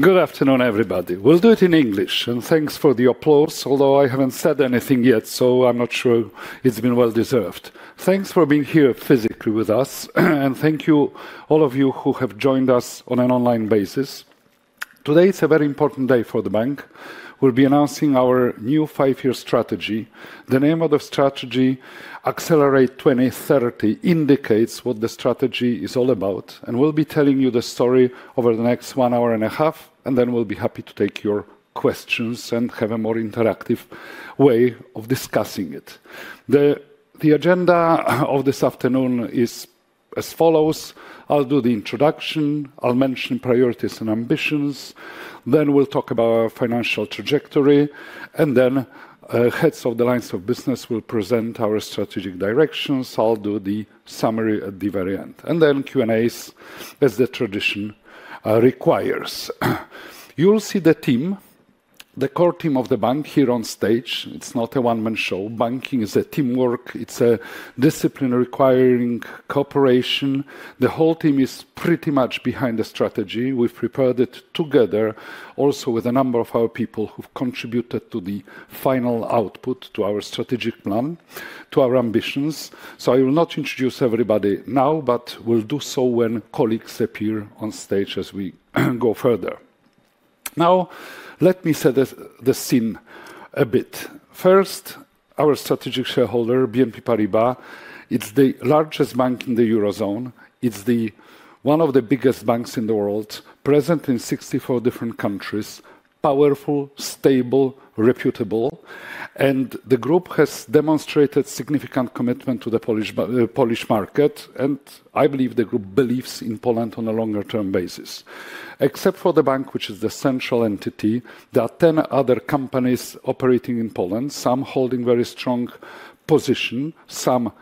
Good afternoon, everybody. We'll do it in English, and thanks for the applause, although I haven't said anything yet, so I'm not sure it's been well-deserved. Thanks for being here physically with us, and thank you, all of you who have joined us on an online basis. Today is a very important day for the bank. We'll be announcing our new five-year strategy. The name of the strategy, Accelerate 2030, indicates what the strategy is all about, and we'll be telling you the story over the next one hour and a half, and then we'll be happy to take your questions and have a more interactive way of discussing it. The agenda of this afternoon is as follows: I'll do the introduction, I'll mention priorities and ambitions, then we'll talk about our financial trajectory, and then heads of the lines of business will present our strategic directions. I'll do the summary at the very end, and then Q&As, as the tradition requires. You'll see the team, the core team of the bank, here on stage. It's not a one-man show. Banking is a teamwork. It's a discipline requiring cooperation. The whole team is pretty much behind the strategy. We've prepared it together, also with a number of our people who've contributed to the final output, to our strategic plan, to our ambitions. So I will not introduce everybody now, but we'll do so when colleagues appear on stage as we go further. Now, let me set the scene a bit. First, our strategic shareholder, BNP Paribas. It's the largest bank in the Eurozone. It's one of the biggest banks in the world, present in 64 different countries, powerful, stable, reputable. And the group has demonstrated significant commitment to the Polish market, and I believe the group believes in Poland on a longer-term basis. Except for the bank, which is the central entity, there are 10 other companies operating in Poland, some holding very strong positions, some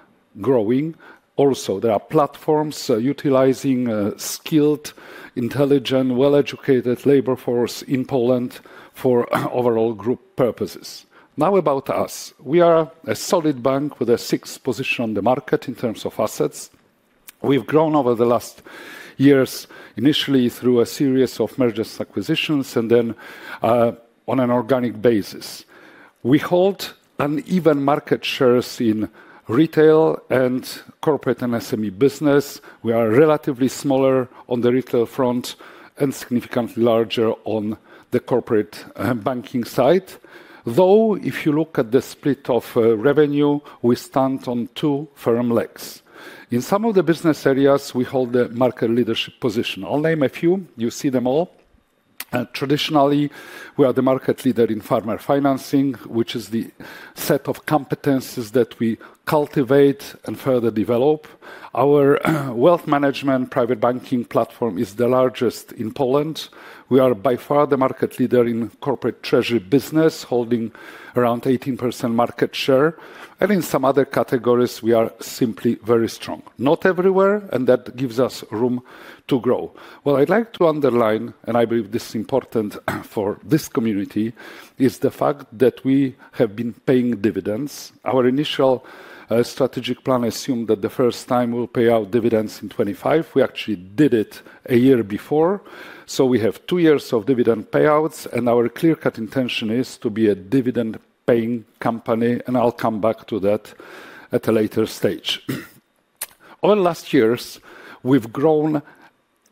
growing. Also, there are platforms utilizing skilled, intelligent, well-educated labor force in Poland for overall group purposes. Now about us. We are a solid bank with a sixth position on the market in terms of assets. We've grown over the last years, initially through a series of mergers and acquisitions, and then on an organic basis. We hold an even market share in Retail and Corporate and SME Business. We are relatively smaller on the Retail front and significantly larger on the Corporate banking side. Though, if you look at the split of revenue, we stand on two firm legs. In some of the business areas, we hold the market leadership position. I'll name a few. You see them all. Traditionally, we are the market leader in farmer financing, which is the set of competencies that we cultivate and further develop. Our wealth management private banking platform is the largest in Poland. We are by far the market leader in corporate treasury business, holding around 18% market share. And in some other categories, we are simply very strong. Not everywhere, and that gives us room to grow. What I'd like to underline, and I believe this is important for this community, is the fact that we have been paying dividends. Our initial strategic plan assumed that the first time we'll pay out dividends in 2025. We actually did it a year before. So we have two years of dividend payouts, and our clear-cut intention is to be a dividend-paying company, and I'll come back to that at a later stage. Over the last years, we've grown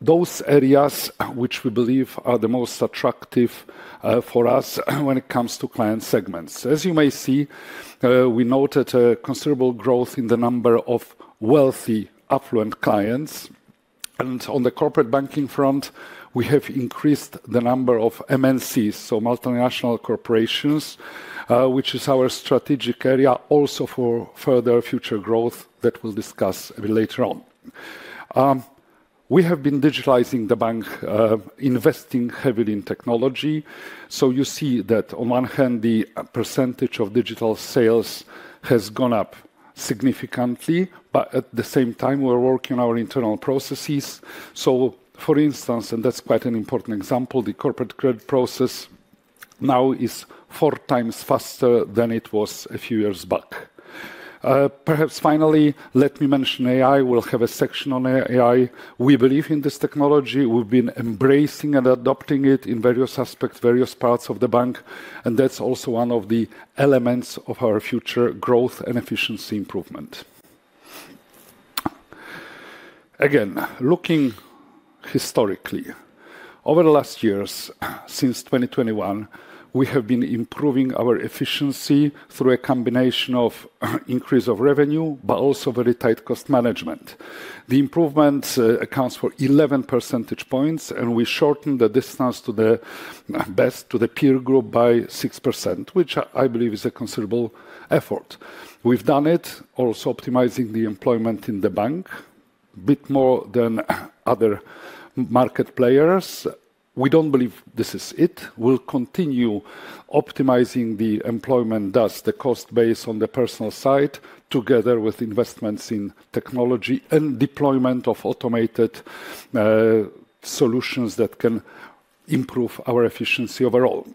those areas which we believe are the most attractive for us when it comes to client segments. As you may see, we noted a considerable growth in the number of wealthy, affluent clients. And on the Corporate Banking front, we have increased the number of MNCs, so multinational corporations, which is our strategic area, also for further future growth that we'll discuss a bit later on. We have been digitalizing the bank, investing heavily in technology. So you see that on one hand, the percentage of digital sales has gone up significantly, but at the same time, we're working on our internal processes. For instance, and that's quite an important example, the corporate credit process now is four times faster than it was a few years back. Perhaps finally, let me mention AI. We'll have a section on AI. We believe in this technology. We've been embracing and adopting it in various aspects, various parts of the bank, and that's also one of the elements of our future growth and efficiency improvement. Again, looking historically, over the last years, since 2021, we have been improving our efficiency through a combination of increase of revenue, but also very tight cost management. The improvement accounts for 11 percentage points, and we shortened the distance to the best, to the peer group, by 6%, which I believe is a considerable effort. We've done it, also optimizing the employment in the bank, a bit more than other market players. We don't believe this is it. We'll continue optimizing the employment costs, the cost base on the personnel side, together with investments in technology and deployment of automated solutions that can improve our efficiency overall.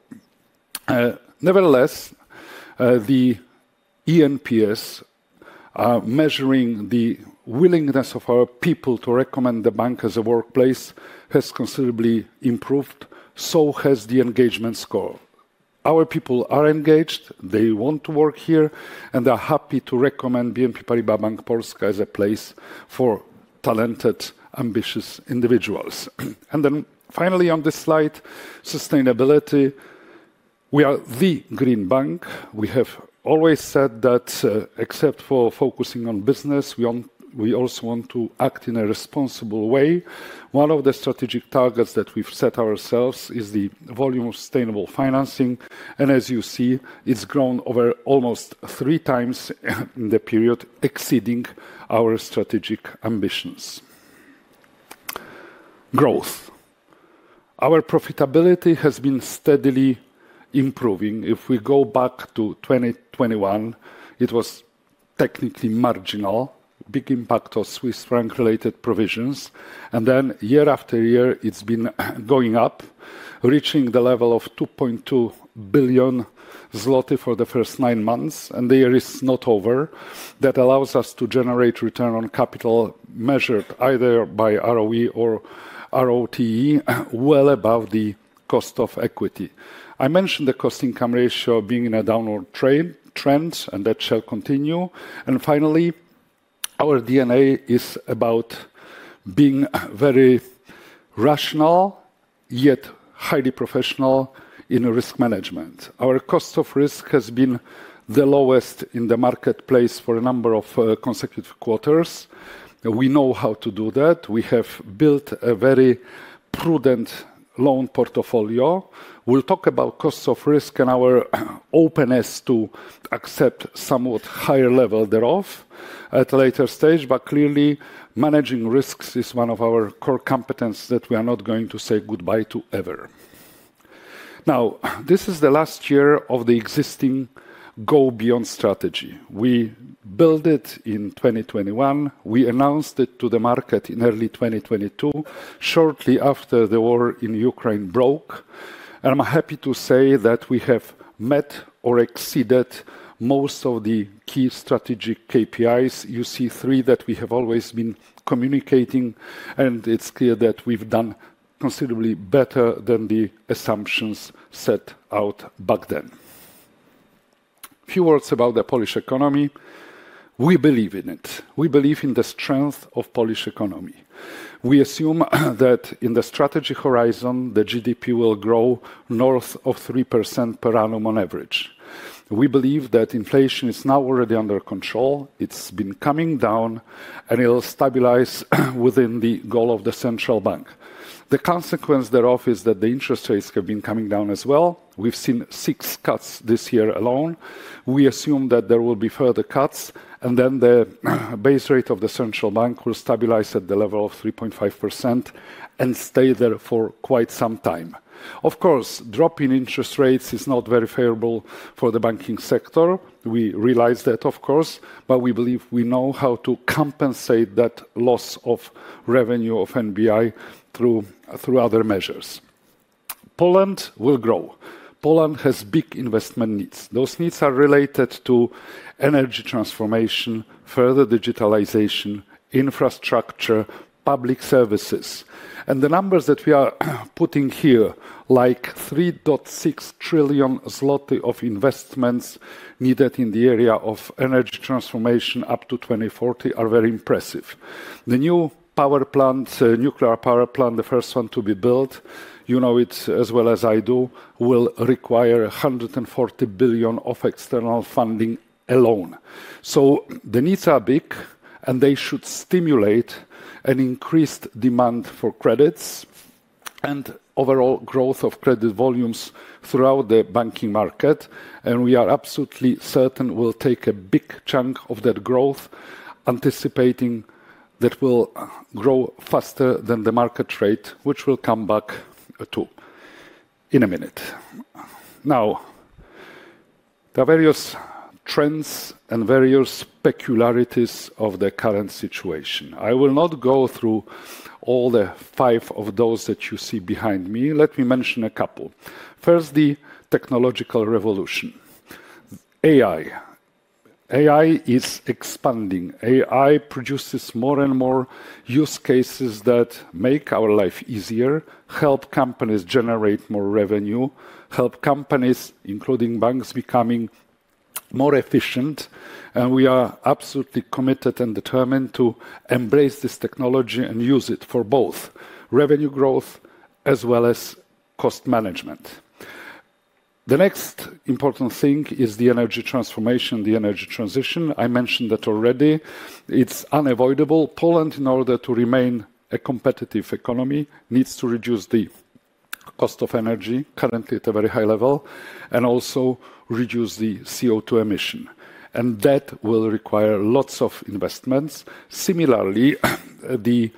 Nevertheless, the eNPS, measuring the willingness of our people to recommend the bank as a workplace, has considerably improved, so has the engagement score. Our people are engaged. They want to work here, and they're happy to recommend BNP Paribas Bank Polska as a place for talented, ambitious individuals, and then finally, on this slide, sustainability. We are the green bank. We have always said that, except for focusing on business, we also want to act in a responsible way. One of the strategic targets that we've set ourselves is the volume of sustainable financing. And as you see, it's grown over almost three times in the period, exceeding our strategic ambitions. Growth. Our profitability has been steadily improving. If we go back to 2021, it was technically marginal, big impact of Swiss franc-related provisions. And then year after year, it's been going up, reaching the level of 2.2 billion zloty for the first nine months. And the year is not over. That allows us to generate return on capital measured either by ROE or ROTE, well above the cost of equity. I mentioned the cost-income ratio being in a downward trend, and that shall continue. And finally, our DNA is about being very rational, yet highly professional in risk management. Our cost of risk has been the lowest in the marketplace for a number of consecutive quarters. We know how to do that. We have built a very prudent loan portfolio. We'll talk about cost of risk and our openness to accept somewhat higher level thereof at a later stage, but clearly, managing risks is one of our core competencies that we are not going to say goodbye to ever. Now, this is the last year of the existing GObeyond strategy. We built it in 2021. We announced it to the market in early 2022, shortly after the war in Ukraine broke, and I'm happy to say that we have met or exceeded most of the key strategic KPIs. You see three that we have always been communicating, and it's clear that we've done considerably better than the assumptions set out back then. Few words about the Polish economy. We believe in it. We believe in the strength of the Polish economy. We assume that in the strategy horizon, the GDP will grow north of 3% per annum on average. We believe that inflation is now already under control. It's been coming down, and it'll stabilize within the goal of the Central Bank. The consequence thereof is that the interest rates have been coming down as well. We've seen six cuts this year alone. We assume that there will be further cuts, and then the base rate of the Central Bank will stabilize at the level of 3.5% and stay there for quite some time. Of course, dropping interest rates is not very favorable for the banking sector. We realize that, of course, but we believe we know how to compensate that loss of revenue of NBI through other measures. Poland will grow. Poland has big investment needs. Those needs are related to energy transformation, further digitalization, infrastructure, public services. The numbers that we are putting here, like 3.6 trillion zloty of investments needed in the area of energy transformation up to 2040, are very impressive. The new power plant, nuclear power plant, the first one to be built, you know it as well as I do, will require 140 billion of external funding alone. So the needs are big, and they should stimulate an increased demand for credits and overall growth of credit volumes throughout the banking market. And we are absolutely certain we'll take a big chunk of that growth, anticipating that we'll grow faster than the market rate, which we'll come back to in a minute. Now, there are various trends and various peculiarities of the current situation. I will not go through all the five of those that you see behind me. Let me mention a couple. First, the technological revolution. AI. AI is expanding. AI produces more and more use cases that make our life easier, help companies generate more revenue, help companies, including banks, becoming more efficient, and we are absolutely committed and determined to embrace this technology and use it for both revenue growth as well as cost management. The next important thing is the energy transformation, the energy transition. I mentioned that already. It's unavoidable. Poland, in order to remain a competitive economy, needs to reduce the cost of energy, currently at a very high level, and also reduce the CO2 emission. And that will require lots of investments. Similarly, the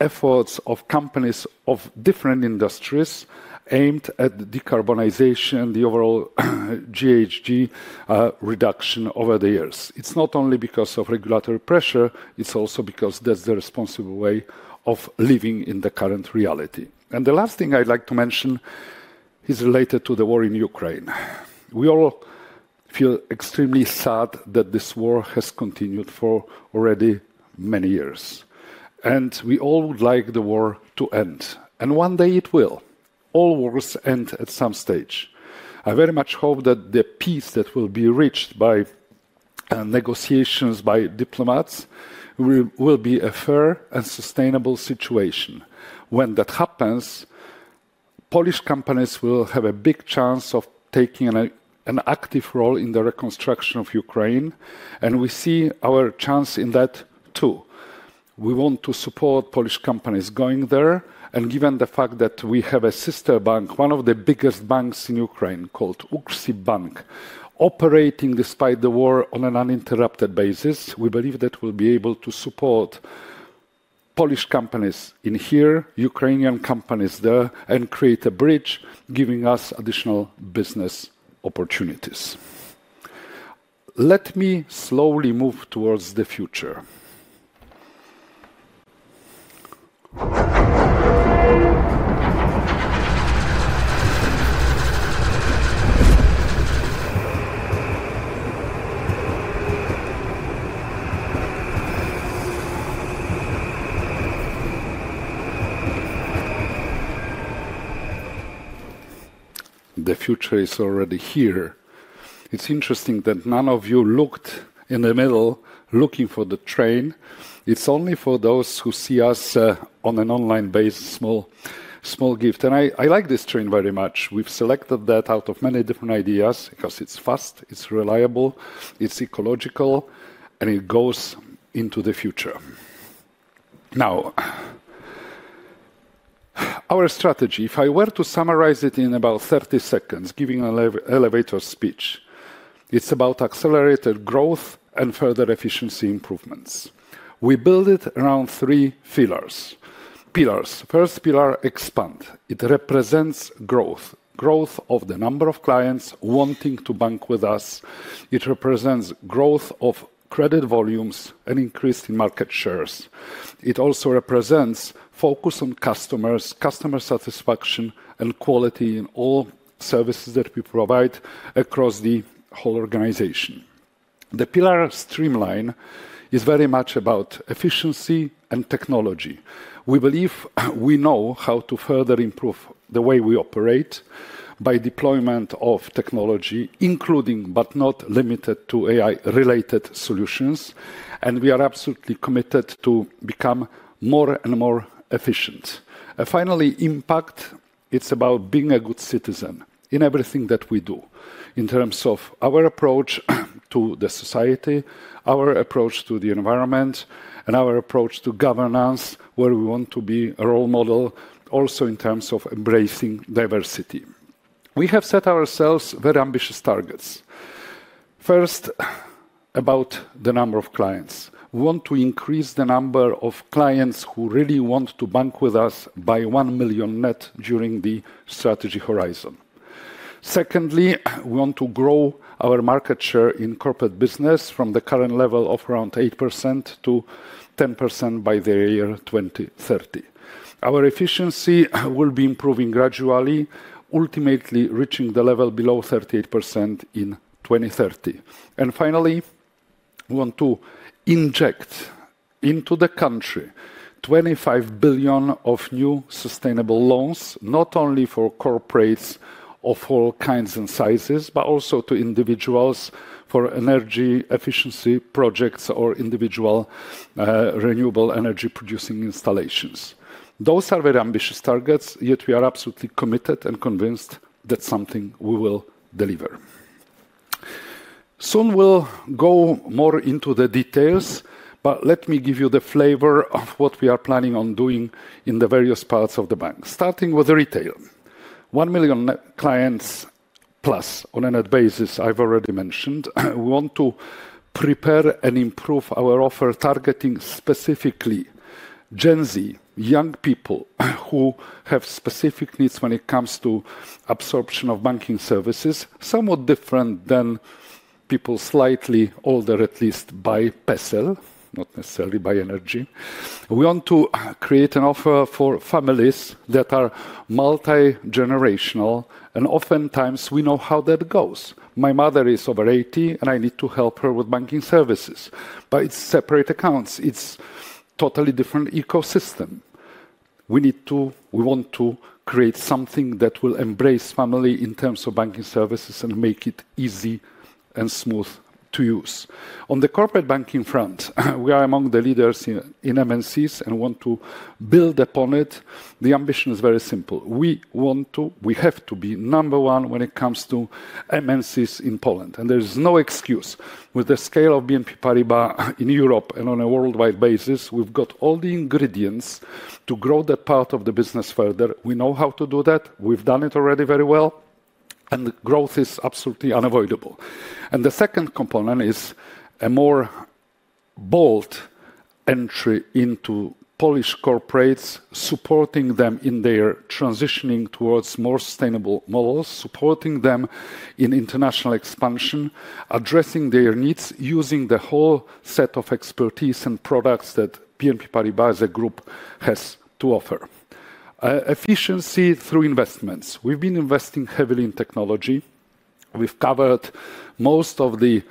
efforts of companies of different industries aimed at decarbonization, the overall GHG reduction over the years. It's not only because of regulatory pressure, it's also because that's the responsible way of living in the current reality. The last thing I'd like to mention is related to the war in Ukraine. We all feel extremely sad that this war has continued for already many years. We all would like the war to end. One day it will. All wars end at some stage. I very much hope that the peace that will be reached by negotiations, by diplomats, will be a fair and sustainable situation. When that happens, Polish companies will have a big chance of taking an active role in the reconstruction of Ukraine. We see our chance in that too. We want to support Polish companies going there. Given the fact that we have a sister bank, one of the biggest banks in Ukraine called UKRSIBBANK, operating despite the war on an uninterrupted basis, we believe that we'll be able to support Polish companies in here, Ukrainian companies there, and create a bridge, giving us additional business opportunities. Let me slowly move towards the future. The future is already here. It's interesting that none of you looked in the middle looking for the train. It's only for those who see us on an online basis, small gift. And I like this train very much. We've selected that out of many different ideas because it's fast, it's reliable, it's ecological, and it goes into the future. Now, our strategy, if I were to summarize it in about 30 seconds, giving an elevator speech, it's about accelerated growth and further efficiency improvements. We build it around three pillars. First pillar, expand. It represents growth, growth of the number of clients wanting to bank with us. It represents growth of credit volumes and increase in market shares. It also represents focus on customers, customer satisfaction, and quality in all services that we provide across the whole organization. The pillar streamline is very much about efficiency and technology. We believe we know how to further improve the way we operate by deployment of technology, including, but not limited to, AI-related solutions. And we are absolutely committed to become more and more efficient. Finally, impact, it's about being a good citizen in everything that we do in terms of our approach to the society, our approach to the environment, and our approach to governance, where we want to be a role model, also in terms of embracing diversity. We have set ourselves very ambitious targets. First, about the number of clients. We want to increase the number of clients who really want to bank with us by 1 million net during the strategy horizon. Secondly, we want to grow our market share in Corporate Business from the current level of around 8%-10% by the year 2030. Our efficiency will be improving gradually, ultimately reaching the level below 38% in 2030. And finally, we want to inject into the country 25 billion of new sustainable loans, not only for corporates of all kinds and sizes, but also to individuals for energy efficiency projects or individual renewable energy-producing installations. Those are very ambitious targets, yet we are absolutely committed and convinced that's something we will deliver. Soon we'll go more into the details, but let me give you the flavor of what we are planning on doing in the various parts of the bank, starting with retail. One million net clients plus on a net basis, I've already mentioned. We want to prepare and improve our offer targeting specifically Gen Z, young people who have specific needs when it comes to absorption of banking services, somewhat different than people slightly older, at least by PESEL, not necessarily by age. We want to create an offer for families that are multi-generational, and oftentimes we know how that goes. My mother is over 80, and I need to help her with banking services, but it's separate accounts. It's a totally different ecosystem. We need to, we want to create something that will embrace family in terms of banking services and make it easy and smooth to use. On the Corporate Banking front, we are among the leaders in MNCs and want to build upon it. The ambition is very simple. We want to, we have to be number one when it comes to MNCs in Poland, and there's no excuse. With the scale of BNP Paribas in Europe and on a worldwide basis, we've got all the ingredients to grow that part of the business further. We know how to do that. We've done it already very well, and growth is absolutely unavoidable, and the second component is a more bold entry into Polish corporates, supporting them in their transitioning towards more sustainable models, supporting them in international expansion, addressing their needs using the whole set of expertise and products that BNP Paribas as a group has to offer. Efficiency through investments. We've been investing heavily in technology. We've covered most of the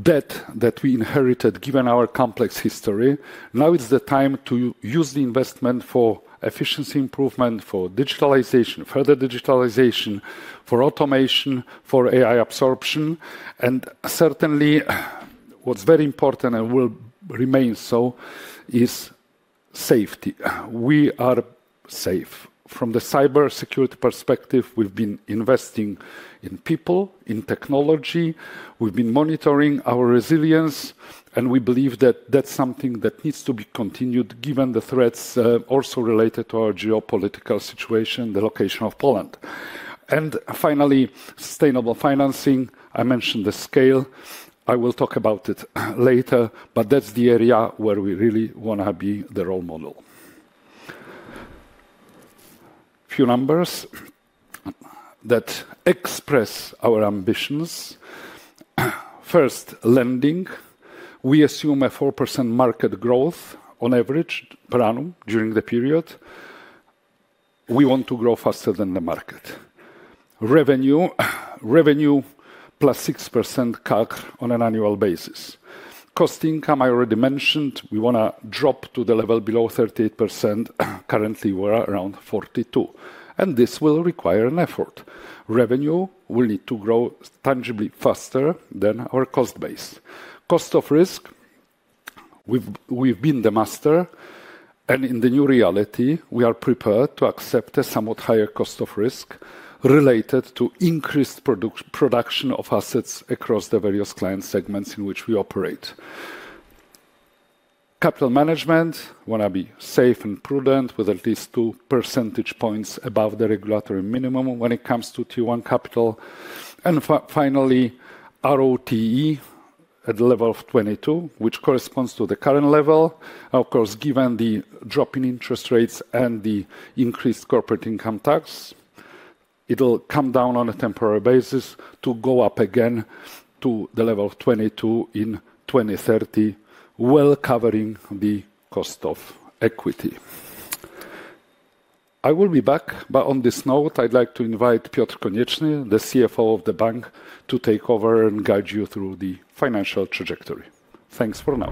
debt that we inherited, given our complex history. Now it's the time to use the investment for efficiency improvement, for digitalization, further digitalization, for automation, for AI absorption, and certainly, what's very important and will remain so is safety. We are safe. From the cybersecurity perspective, we've been investing in people, in technology. We've been monitoring our resilience, and we believe that that's something that needs to be continued, given the threats also related to our geopolitical situation, the location of Poland, and finally, sustainable financing. I mentioned the scale. I will talk about it later, but that's the area where we really want to be the role model. Few numbers that express our ambitions. First, lending. We assume a 4% market growth on average per annum during the period. We want to grow faster than the market. Revenue, revenue +6% CAGR on an annual basis. Cost income, I already mentioned. We want to drop to the level below 38%. Currently, we're around 42%. And this will require an effort. Revenue will need to grow tangibly faster than our cost base. cost of risk. We've been the master. And in the new reality, we are prepared to accept a somewhat higher cost of risk related to increased production of assets across the various client segments in which we operate. Capital management. We want to be safe and prudent with at least two percentage points above the regulatory minimum when it comes to Tier 1 capital. And finally, ROTE at the level of 22%, which corresponds to the current level. Of course, given the drop in interest rates and the increased corporate income tax, it'll come down on a temporary basis to go up again to the level of 22% in 2030, while covering the cost of equity. I will be back, but on this note, I'd like to invite Piotr Konieczny, the CFO of the bank, to take over and guide you through the financial trajectory. Thanks for now.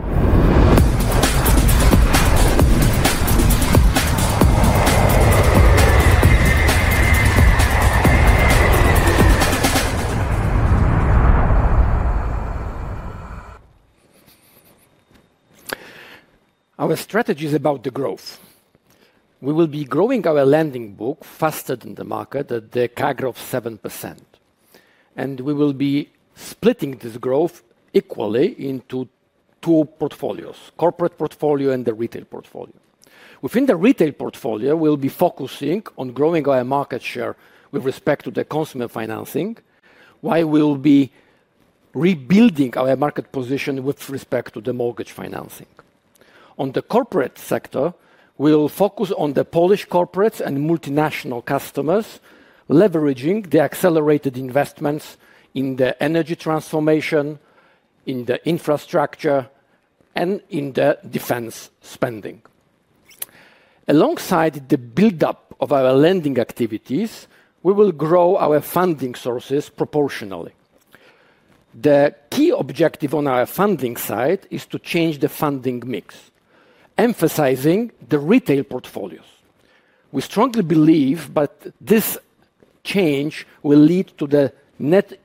Our strategy is about the growth. We will be growing our lending book faster than the market at the CAGR of 7%, and we will be splitting this growth equally into two portfolios, Corporate portfolio and the Retail portfolio. Within the retail portfolio, we'll be focusing on growing our market share with respect to the consumer financing, while we'll be rebuilding our market position with respect to the mortgage financing. On the corporate sector, we'll focus on the Polish corporates and multinational customers, leveraging the accelerated investments in the energy transformation, in the infrastructure, and in the defense spending. Alongside the build-up of our lending activities, we will grow our funding sources proportionally. The key objective on our funding side is to change the funding mix, emphasizing the retail portfolios. We strongly believe that this change will lead to the net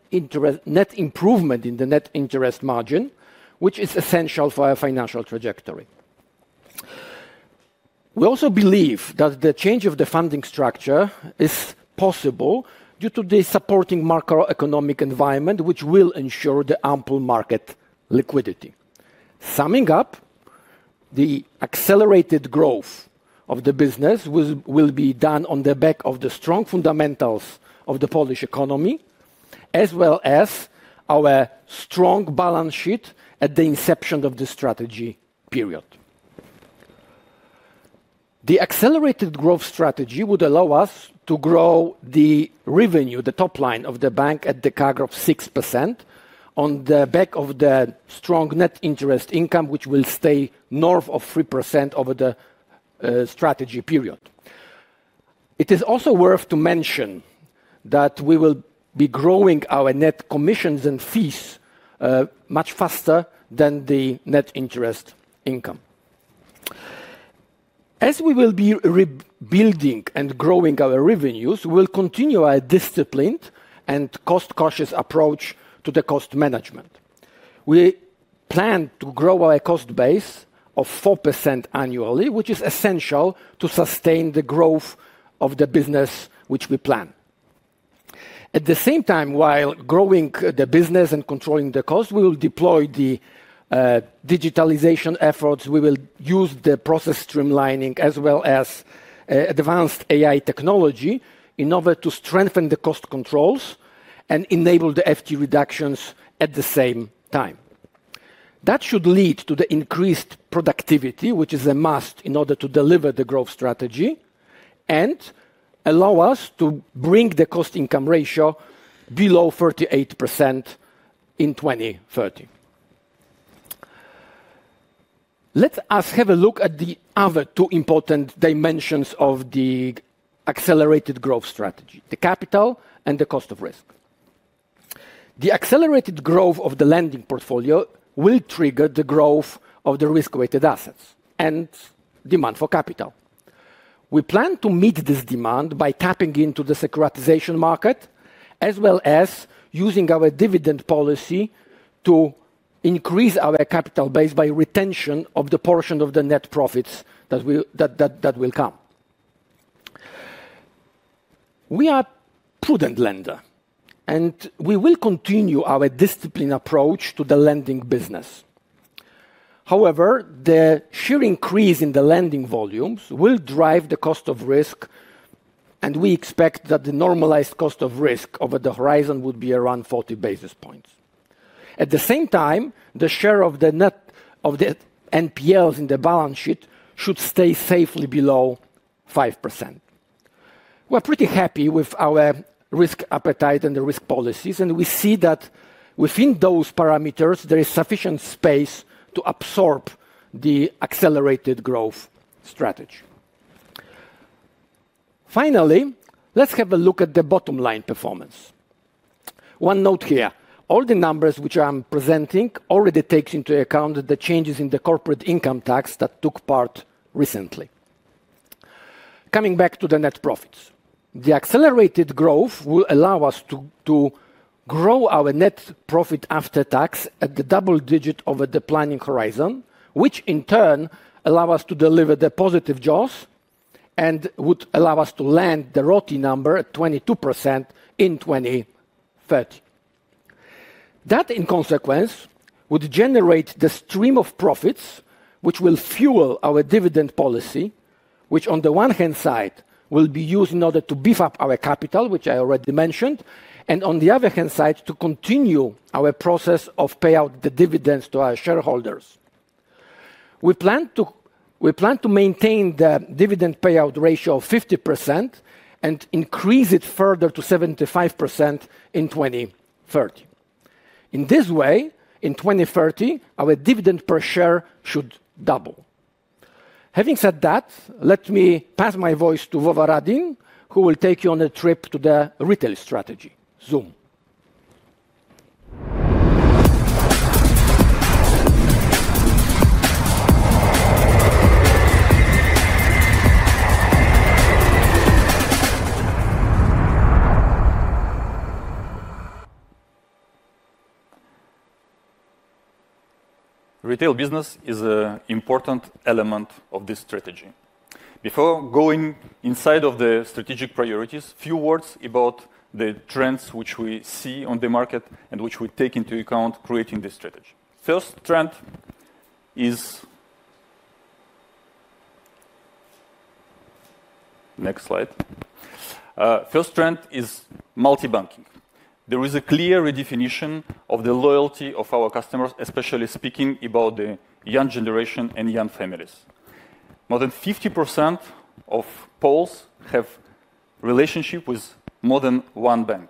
improvement in the net interest margin, which is essential for our financial trajectory. We also believe that the change of the funding structure is possible due to the supporting macroeconomic environment, which will ensure the ample market liquidity. Summing up, the accelerated growth of the business will be done on the back of the strong fundamentals of the Polish economy, as well as our strong balance sheet at the inception of the strategy period. The accelerated growth strategy would allow us to grow the revenue, the top line of the bank at the CAGR of 6% on the back of the strong net interest income, which will stay north of 3% over the strategy period. It is also worth to mention that we will be growing our net commissions and fees much faster than the net interest income. As we will be rebuilding and growing our revenues, we'll continue our disciplined and cost-cautious approach to the cost management. We plan to grow our cost base of 4% annually, which is essential to sustain the growth of the business which we plan. At the same time, while growing the business and controlling the cost, we will deploy the digitalization efforts. We will use the process streamlining as well as advanced AI technology in order to strengthen the cost controls and enable the FTE reductions at the same time. That should lead to the increased productivity, which is a must in order to deliver the growth strategy and allow us to bring the cost income ratio below 38% in 2030. Let's have a look at the other two important dimensions of the accelerated growth strategy, the capital and the cost of risk. The accelerated growth of the lending portfolio will trigger the growth of the risk-weighted assets and demand for capital. We plan to meet this demand by tapping into the securitization market, as well as using our Dividend policy to increase our capital base by retention of the portion of the net profits that will come. We are a prudent lender, and we will continue our disciplined approach to the lending business. However, the sheer increase in the lending volumes will drive the cost of risk, and we expect that the normalized cost of risk over the horizon would be around 40 basis points. At the same time, the share of the NPLs in the balance sheet should stay safely below 5%. We're pretty happy with our risk appetite and the risk policies, and we see that within those parameters, there is sufficient space to absorb the accelerated growth strategy. Finally, let's have a look at the bottom line performance. One note here. All the numbers which I'm presenting already take into account the changes in the corporate income tax that took place recently. Coming back to the net profits, the accelerated growth will allow us to grow our net profit after tax at double-digit over the planning horizon, which in turn allows us to deliver the positive jaws and would allow us to land the ROTE number at 22% in 2030. That, in consequence, would generate the stream of profits, which will fuel our Dividend policy, which on the one hand side will be used in order to beef up our capital, which I already mentioned, and on the other hand side to continue our process of payout the dividends to our shareholders. We plan to maintain the dividend payout ratio of 50% and increase it further to 75% in 2030. In this way, in 2030, our dividend per share should double. Having said that, let me pass my voice to Vova Radin, who will take you on a trip to the retail strategy. Zoom. Retail business is an important element of this strategy. Before going inside of the strategic priorities, a few words about the trends which we see on the market and which we take into account creating this strategy. First trend is next slide. First trend is multi-banking. There is a clear redefinition of the loyalty of our customers, especially speaking about the young generation and young families. More than 50% of Poles have a relationship with more than one bank.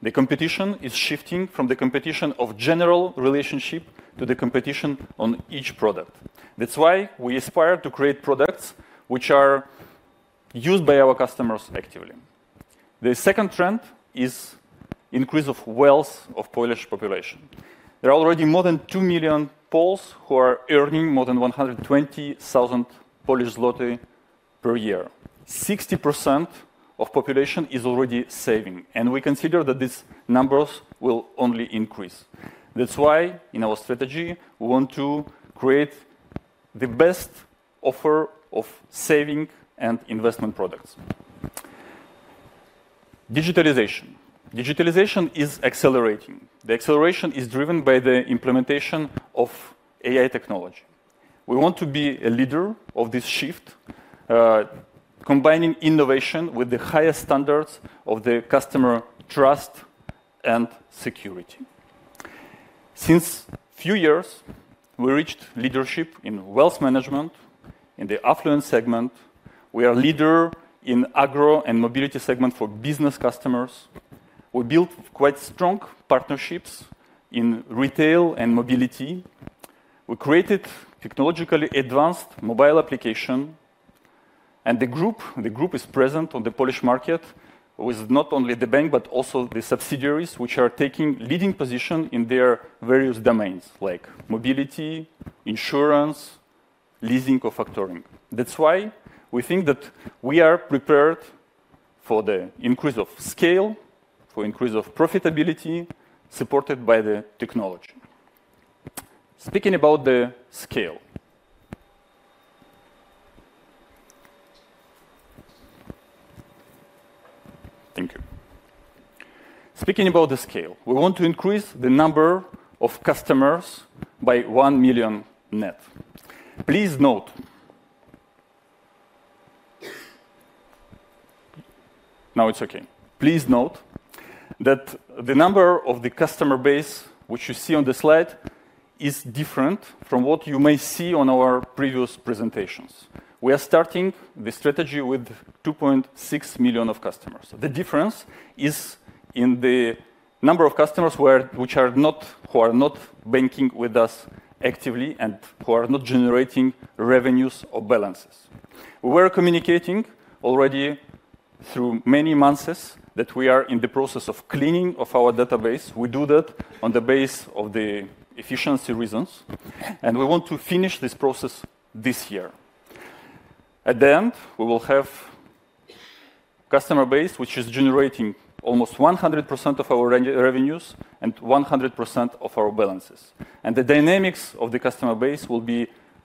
The competition is shifting from the competition of general relationship to the competition on each product. That's why we aspire to create products which are used by our customers actively. The second trend is the increase of wealth of the Polish population. There are already more than two million Poles who are earning more than 120,000 Polish zloty per year. 60% of the population is already saving, and we consider that these numbers will only increase. That's why in our strategy, we want to create the best offer of saving and investment products. Digitalization. Digitalization is accelerating. The acceleration is driven by the implementation of AI technology. We want to be a leader of this shift, combining innovation with the highest standards of the customer trust and security. Since a few years, we reached leadership in wealth management in the affluence segment. We are a leader in the Agro and Mobility segment for business customers. We built quite strong partnerships in Retail and Mobility. We created technologically advanced mobile applications, and the group is present on the Polish market with not only the bank, but also the subsidiaries, which are taking leading positions in their various domains, like mobility, insurance, leasing, or factoring. That's why we think that we are prepared for the increase of scale, for the increase of profitability supported by the technology. Speaking about the scale. Thank you. Speaking about the scale, we want to increase the number of customers by one million net. Please note. Now it's okay. Please note that the number of the customer base which you see on the slide is different from what you may see on our previous presentations. We are starting the strategy with 2.6 million customers. The difference is in the number of customers who are not banking with us actively and who are not generating revenues or balances. We were communicating already through many months that we are in the process of cleaning our database. We do that on the basis of the efficiency reasons, and we want to finish this process this year. At the end, we will have a customer base which is generating almost 100% of our revenues and 100% of our balances, and the dynamics of the customer base will be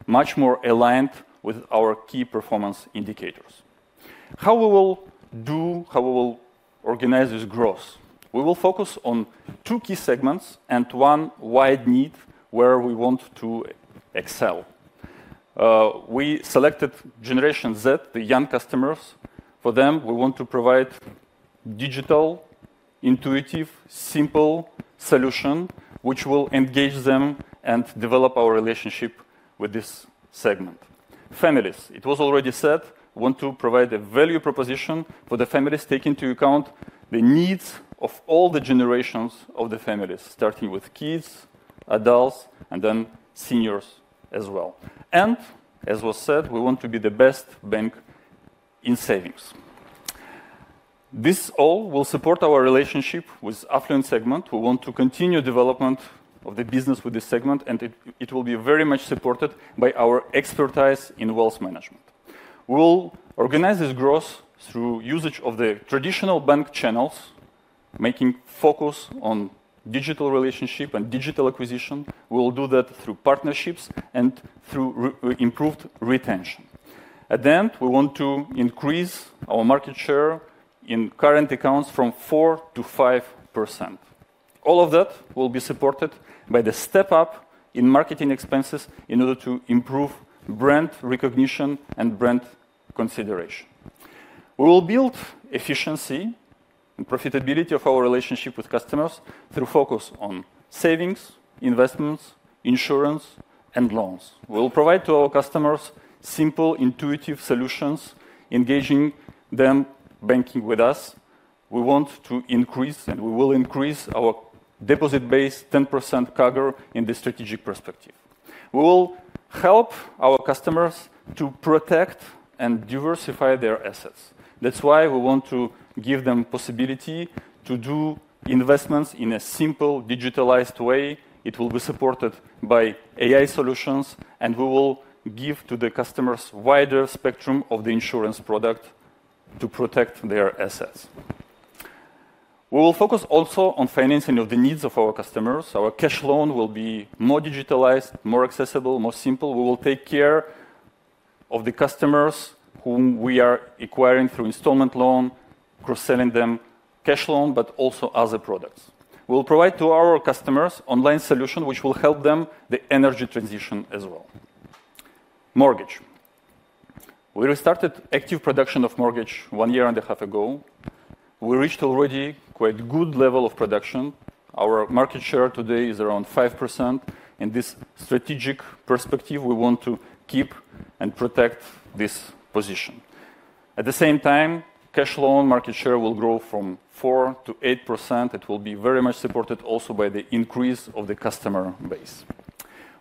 much more aligned with our key performance indicators. How we will do, how we will organize this growth, we will focus on two key segments and one wide need where we want to excel. We selected Generation Z, the young customers. For them, we want to provide a digital, intuitive, simple solution which will engage them and develop our relationship with this segment. Families. It was already said, we want to provide a value proposition for the families, taking into account the needs of all the generations of the families, starting with kids, adults, and then seniors as well, and as was said, we want to be the best bank in savings. This all will support our relationship with the affluent segment. We want to continue the development of the business with this segment, and it will be very much supported by our expertise in wealth management. We will organize this growth through the usage of the traditional bank channels, making a focus on digital relationships and digital acquisitions. We will do that through partnerships and through improved retention. At the end, we want to increase our market share in current accounts from 4%-5%. All of that will be supported by the step-up in marketing expenses in order to improve brand recognition and brand consideration. We will build efficiency and profitability of our relationship with customers through a focus on Savings, Investments, Insurance, and Loans. We will provide to our customers simple, intuitive solutions, engaging them banking with us. We want to increase, and we will increase our deposit-based 10% cover in the strategic perspective. We will help our customers to protect and diversify their assets. That's why we want to give them the possibility to do investments in a simple, digitalized way. It will be supported by AI solutions, and we will give to the customers a wider spectrum of the insurance product to protect their assets. We will focus also on financing of the needs of our customers. Our cash loan will be more digitalized, more accessible, more simple. We will take care of the customers whom we are acquiring through installment loan, cross-selling them cash loan, but also other products. We will provide to our customers an online solution which will help them with the energy transition as well. Mortgage. We restarted active production of mortgages one year and a half ago. We reached already a quite good level of production. Our market share today is around 5%. In this strategic perspective, we want to keep and protect this position. At the same time, cash loan market share will grow from 4%-8%. It will be very much supported also by the increase of the customer base.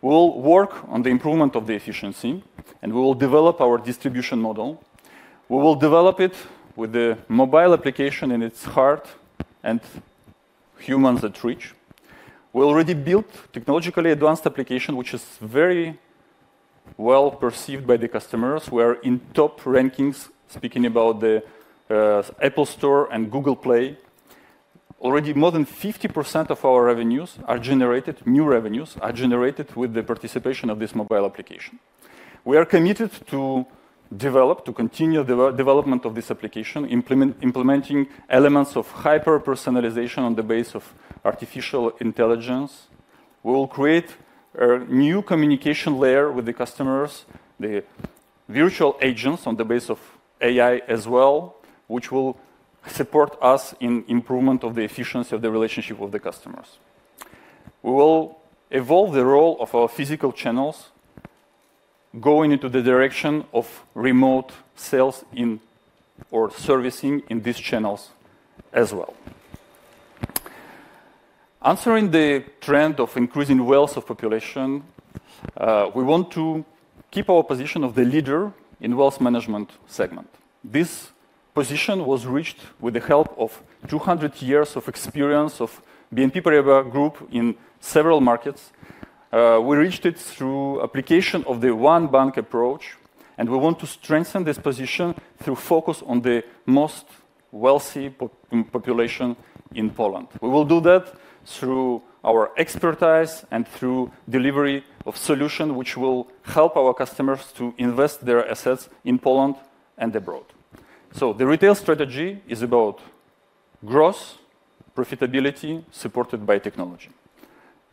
We will work on the improvement of the efficiency, and we will develop our distribution model. We will develop it with the mobile application in its heart and humans at reach. We already built a technologically advanced application which is very well perceived by the customers. We are in top rankings, speaking about the Apple Store and Google Play. Already, more than 50% of our new revenues are generated with the participation of this mobile application. We are committed to develop, to continue the development of this application, implementing elements of hyper-personalization on the basis of artificial intelligence. We will create a new communication layer with the customers, the virtual agents on the basis of AI as well, which will support us in the improvement of the efficiency of the relationship with the customers. We will evolve the role of our physical channels, going into the direction of remote sales or servicing in these channels as well. Answering the trend of increasing wealth of population, we want to keep our position of the leader in the Wealth Management segment. This position was reached with the help of 200 years of experience of BNP Paribas Group in several markets. We reached it through the application of the one bank approach, and we want to strengthen this position through focus on the most wealthy population in Poland. We will do that through our expertise and through the delivery of solutions which will help our customers to invest their assets in Poland and abroad. So the retail strategy is about growth, profitability, supported by technology.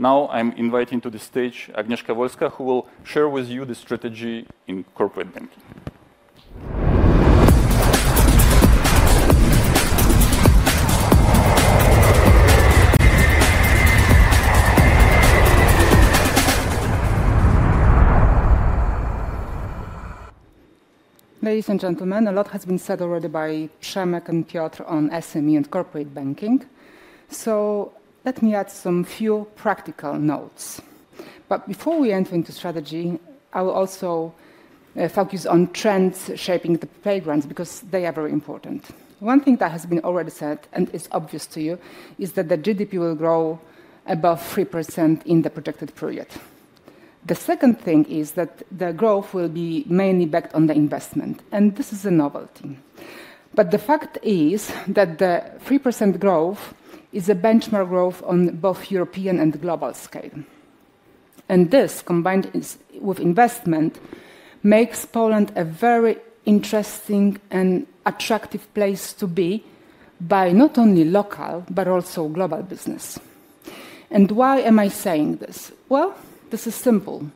Now I'm inviting to the stage Agnieszka Wolska, who will share with you the strategy in corporate banking. Ladies and gentlemen, a lot has been said already by Przemek and Piotr on SME and Corporate Banking. So let me add some few practical notes. But before we enter into strategy, I will also focus on trends shaping the playing fields because they are very important. One thing that has been already said and is obvious to you is that the GDP will grow above 3% in the projected period. The second thing is that the growth will be mainly backed on the investment, and this is a novelty. But the fact is that the 3% growth is a benchmark growth on both European and global scale. And this, combined with investment, makes Poland a very interesting and attractive place to be by not only local but also global business. And why am I saying this? Well, this is simple.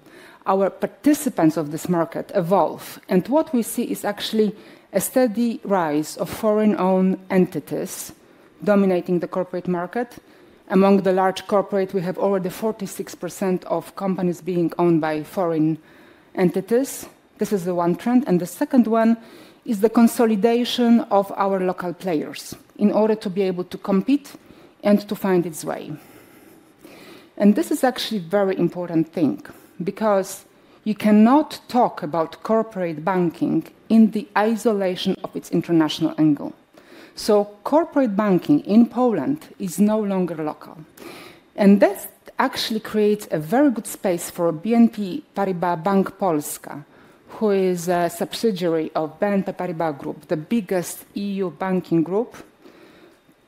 Our participants of this market evolve, and what we see is actually a steady rise of foreign-owned entities dominating the Corporate Market. Among the large corporates, we have already 46% of companies being owned by foreign entities. This is the one trend. And the second one is the consolidation of our local players in order to be able to compete and to find its way. And this is actually a very important thing because you cannot talk about Corporate Banking in the isolation of its international angle. So Corporate Banking in Poland is no longer local. And this actually creates a very good space for BNP Paribas Bank Polska, who is a subsidiary of BNP Paribas Group, the biggest EU banking group,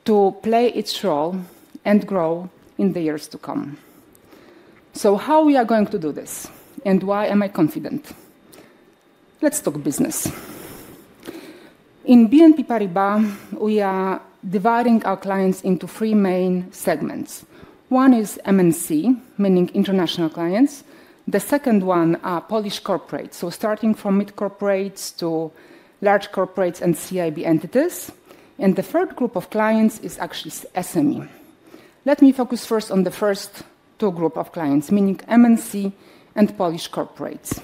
to play its role and grow in the years to come. So how are we going to do this? And why am I confident? Let's talk business. In BNP Paribas, we are dividing our clients into three main segments. One is MNC, meaning international clients. The second one is Polish corporates, so starting from mid-corporates to large corporates and CIB entities. And the third group of clients is actually SME. Let me focus first on the first two groups of clients, meaning MNC and Polish corporates.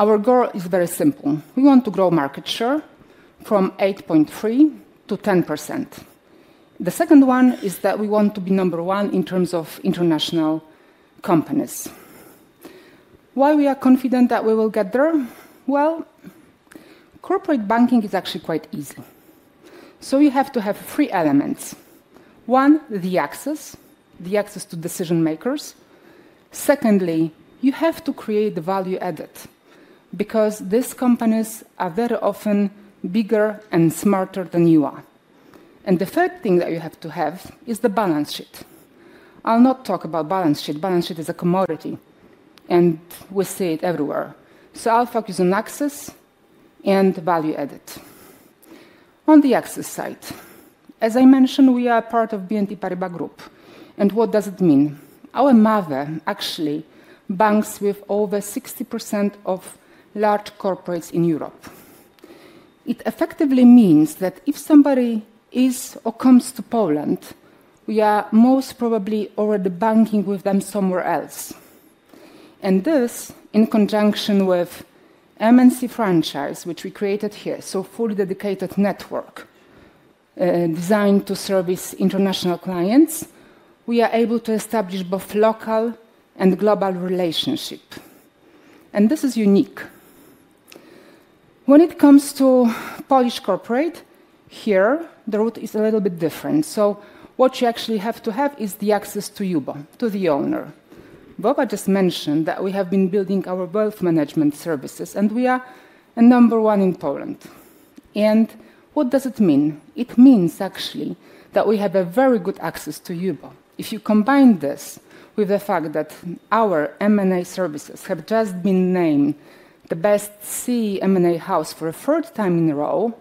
Our goal is very simple. We want to grow market share from 8.3%-10%. The second one is that we want to be number one in terms of international companies. Why are we confident that we will get there? Well, Corporate Banking is actually quite easy. So you have to have three elements. One, the access, the access to decision-makers. Secondly, you have to create the value added because these companies are very often bigger and smarter than you are. And the third thing that you have to have is the balance sheet. I'll not talk about the balance sheet. The balance sheet is a commodity, and we see it everywhere. So I'll focus on access and value added. On the access side, as I mentioned, we are part of BNP Paribas Group. And what does it mean? Our mother actually banks with over 60% of large corporates in Europe. It effectively means that if somebody is or comes to Poland, we are most probably already banking with them somewhere else. And this, in conjunction with the MNC franchise, which we created here, so a fully dedicated network designed to service international clients, we are able to establish both local and global relationships. And this is unique. When it comes to Polish corporates here, the route is a little bit different. So what you actually have to have is the access to UBO, to the owner. Vova just mentioned that we have been building our Wealth Management Services, and we are number one in Poland. And what does it mean? It means actually that we have very good access to UBO. If you combine this with the fact that our M&A services have just been named the best CEE M&A house for the third time in a row,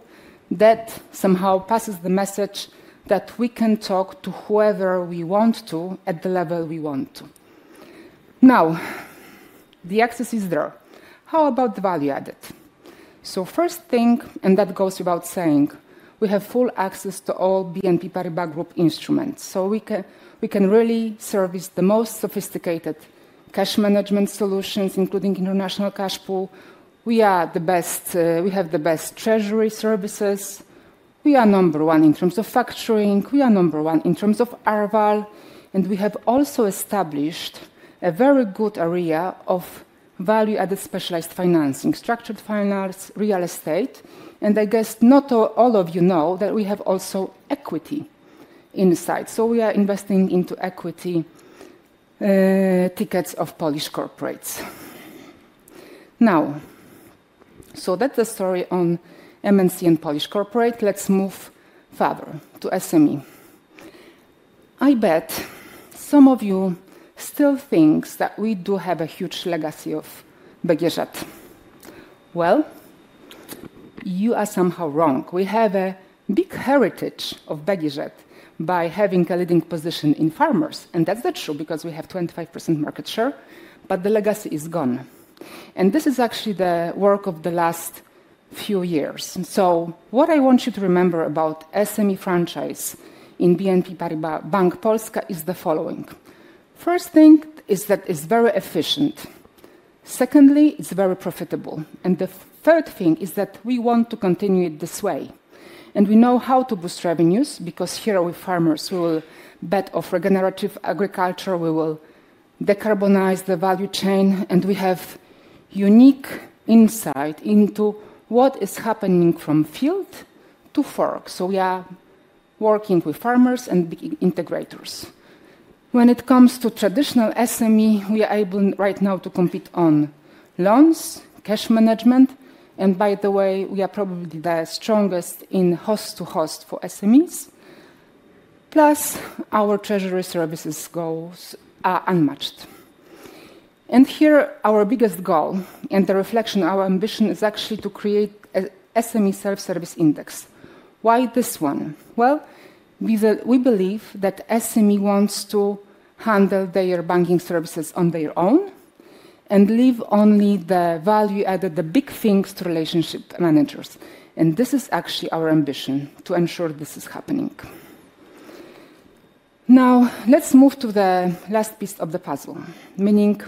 that somehow passes the message that we can talk to whoever we want to at the level we want to. Now, the access is there. How about the value added? So the first thing, and that goes without saying, we have full access to all BNP Paribas Group instruments. So we can really service the most sophisticated Cash Management solutions, including international cash pool. We have the best treasury services. We are number one in terms of factoring. We are number one in terms of Arval. And we have also established a very good area of value-added specialized financing, structured finance, real estate. And I guess not all of you know that we have also equity inside. So we are investing into equity tickets of Polish corporates. Now, so that's the story on MNC and Polish corporates. Let's move further to SME. I bet some of you still think that we do have a huge legacy of BGŻ. Well, you are somehow wrong. We have a big heritage of BGŻ by having a leading position in farmers, and that's not true because we have 25% market share, but the legacy is gone, and this is actually the work of the last few years, so what I want you to remember about SME franchise in BNP Paribas Bank Polska is the following. First thing is that it's very efficient. Secondly, it's very profitable, and the third thing is that we want to continue it this way, and we know how to boost revenues because here are we farmers. We will bet on regenerative agriculture. We will decarbonize the value chain, and we have unique insight into what is happening from field to fork, so we are working with farmers and integrators. When it comes to traditional SME, we are able right now to compete on loans, cash management. By the way, we are probably the strongest in Host-to-Host for SMEs. Plus, our treasury services goals are unmatched. And here, our biggest goal and the reflection of our ambition is actually to create an SME self-service index. Why this one? Well, we believe that SME wants to handle their banking services on their own and leave only the value-added, the big things to relationship managers. And this is actually our ambition to ensure this is happening. Now, let's move to the last piece of the puzzle, meaning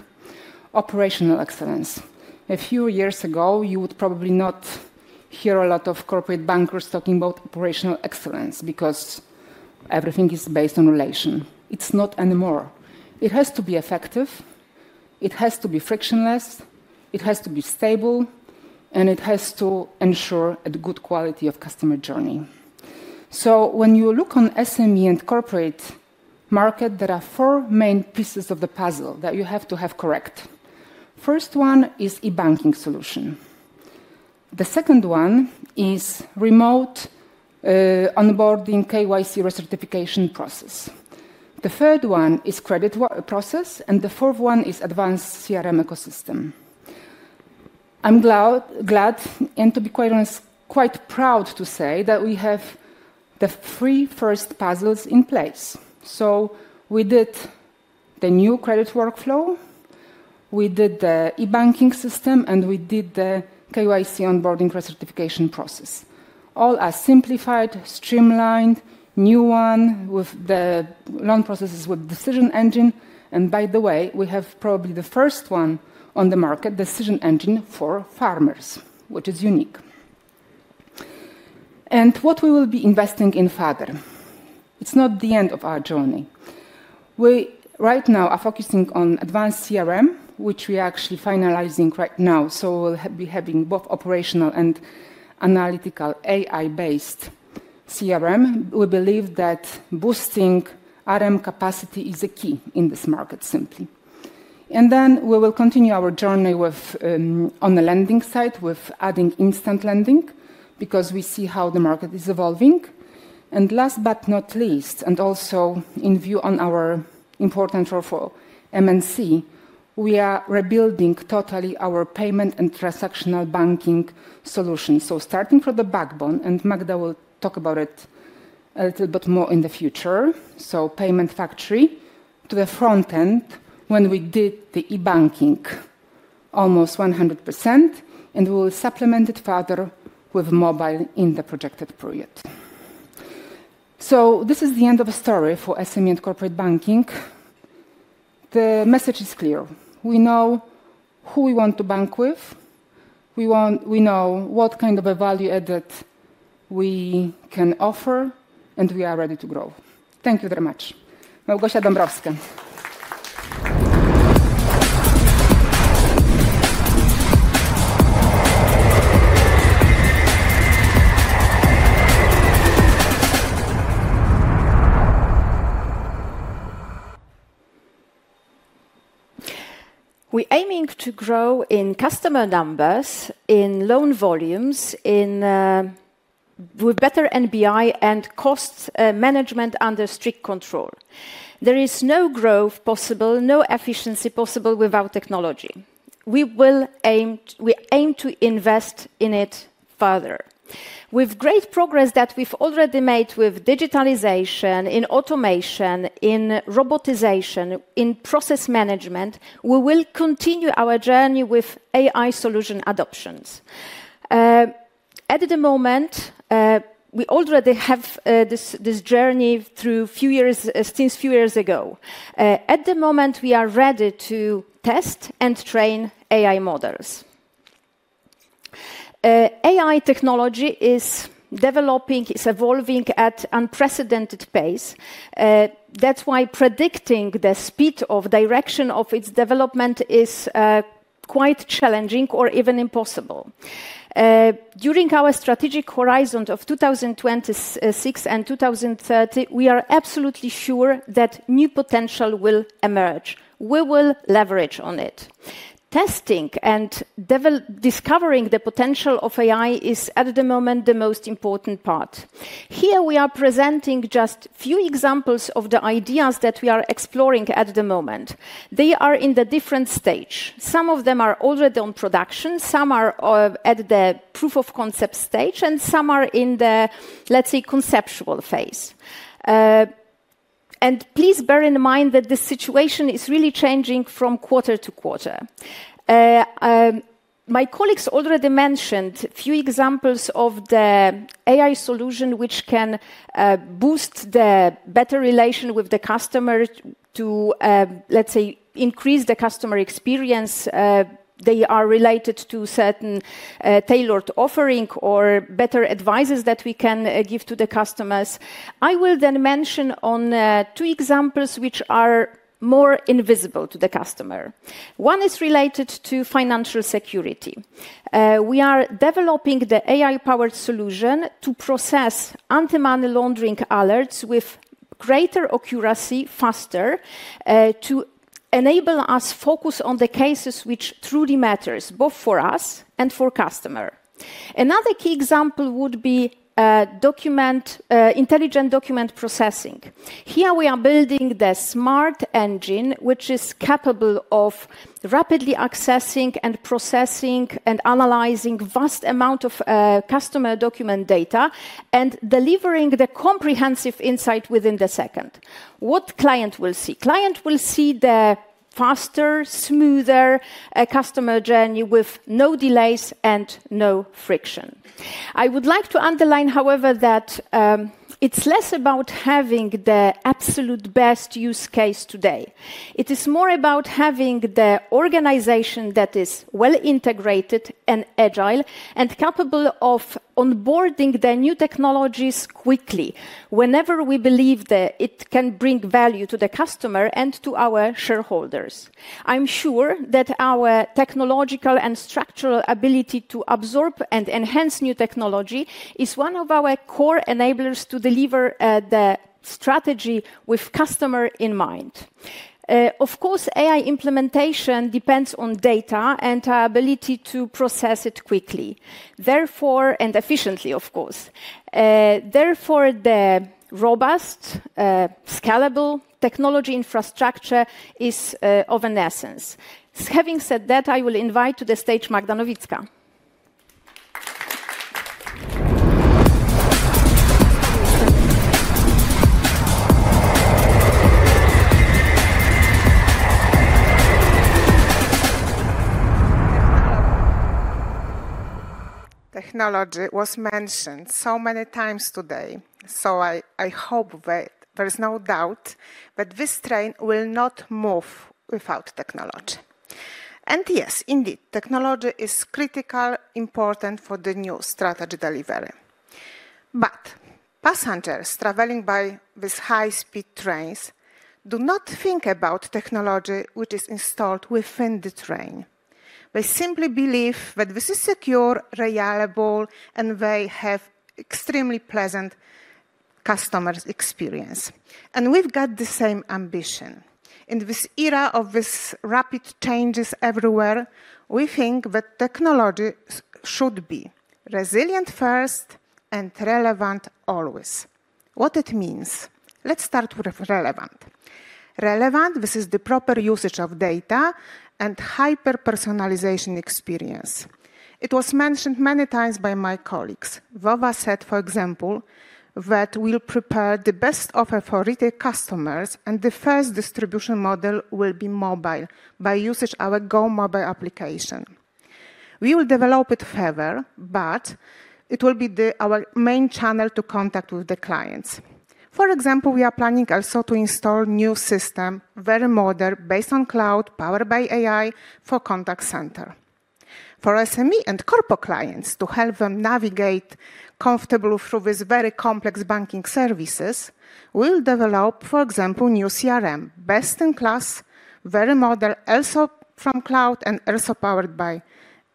operational excellence. A few years ago, you would probably not hear a lot of corporate bankers talking about operational excellence because everything is based on relationship. It's not anymore. It has to be effective. It has to be frictionless. It has to be stable. And it has to ensure a good quality of customer journey. When you look on the SME and Corporate market, there are four main pieces of the puzzle that you have to have correct. The first one is an e-banking solution. The second one is a remote onboarding KYC recertification process. The third one is a credit process. And the fourth one is an advanced CRM ecosystem. I'm glad, and to be quite honest, quite proud to say that we have the three first puzzles in place. We did the new credit workflow. We did the e-banking system. And we did the KYC onboarding recertification process. All are simplified, streamlined, new ones with the loan processes with the decision engine. By the way, we have probably the first one on the market, the decision engine for farmers, which is unique. What we will be investing in further, it's not the end of our journey. We right now are focusing on advanced CRM, which we are actually finalizing right now. So we'll be having both operational and analytical AI-based CRM. We believe that boosting RM capacity is the key in this market, simply. Then we will continue our journey on the lending side with adding instant lending because we see how the market is evolving. Last but not least, and also in view of our important role for MNC, we are rebuilding totally our payment and transactional banking solutions. Starting from the backbone, and Magda will talk about it a little bit more in the future, so Payment Factory to the front end when we did the e-banking almost 100%. We will supplement it further with Mobile in the projected period. This is the end of the story for SME and Corporate Banking. The message is clear. We know who we want to bank with. We know what kind of value added we can offer, and we are ready to grow. Thank you very much. Małgorzata Dąbrowska. We are aiming to grow in customer numbers, in loan volumes, with better NBI and cost management under strict control. There is no growth possible, no efficiency possible without technology. We aim to invest in it further. With great progress that we've already made with digitalization, in automation, in robotization, in process management, we will continue our journey with AI solution adoptions. At the moment, we already have this journey through a few years since a few years ago. At the moment, we are ready to test and train AI models. AI technology is developing, is evolving at an unprecedented pace. That's why predicting the speed of direction of its development is quite challenging or even impossible. During our Strategic Horizon of 2026 and 2030, we are absolutely sure that new potential will emerge. We will leverage on it. Testing and discovering the potential of AI is, at the moment, the most important part. Here we are presenting just a few examples of the ideas that we are exploring at the moment. They are in the different stage. Some of them are already in production. Some are at the proof of concept stage. And some are in the, let's say, conceptual phase. And please bear in mind that the situation is really changing from quarter-to-quarter. My colleagues already mentioned a few examples of the AI solution which can boost the better relation with the customer to, let's say, increase the customer experience. They are related to certain tailored offerings or better advice that we can give to the customers. I will then mention two examples which are more invisible to the customer. One is related to financial security. We are developing the AI-powered solution to process anti-money laundering alerts with greater accuracy, faster, to enable us to focus on the cases which truly matter, both for us and for customers. Another key example would be intelligent document processing. Here we are building the smart engine, which is capable of rapidly accessing and processing and analyzing a vast amount of customer document data and delivering the comprehensive insight within a second. What clients will see? Clients will see the faster, smoother customer journey with no delays and no friction. I would like to underline, however, that it's less about having the absolute best use case today. It is more about having the organization that is well-integrated and agile and capable of onboarding the new technologies quickly whenever we believe that it can bring value to the customer and to our shareholders. I'm sure that our technological and structural ability to absorb and enhance new technology is one of our core enablers to deliver the strategy with customers in mind. Of course, AI implementation depends on data and our ability to process it quickly, therefore and efficiently, of course. Therefore, the robust, scalable technology infrastructure is of the essence. Having said that, I will invite to the stage Magdalena Nowicka. Technology was mentioned so many times today. So I hope that there is no doubt that this train will not move without technology, and yes, indeed, technology is critical, important for the new strategy delivery. But passengers traveling by these high-speed trains do not think about technology which is installed within the train. They simply believe that this is secure, reliable, and they have an extremely pleasant customer experience. And we've got the same ambition. In this era of rapid changes everywhere, we think that technology should be resilient first and relevant always. What it means? Let's start with relevant. Relevant, this is the proper usage of data and hyper-personalization experience. It was mentioned many times by my colleagues. Vova said, for example, that we'll prepare the best offer for retail customers. And the first distribution model will be mobile by using our GOmobile application. We will develop it further, but it will be our main channel to contact with the clients. For example, we are planning also to install a new system, very modern, based on cloud, powered by AI, for contact centers. For SME and corporate clients, to help them navigate comfortably through these very complex banking services, we'll develop, for example, new CRM, best-in-class, very modern, also from cloud and also powered by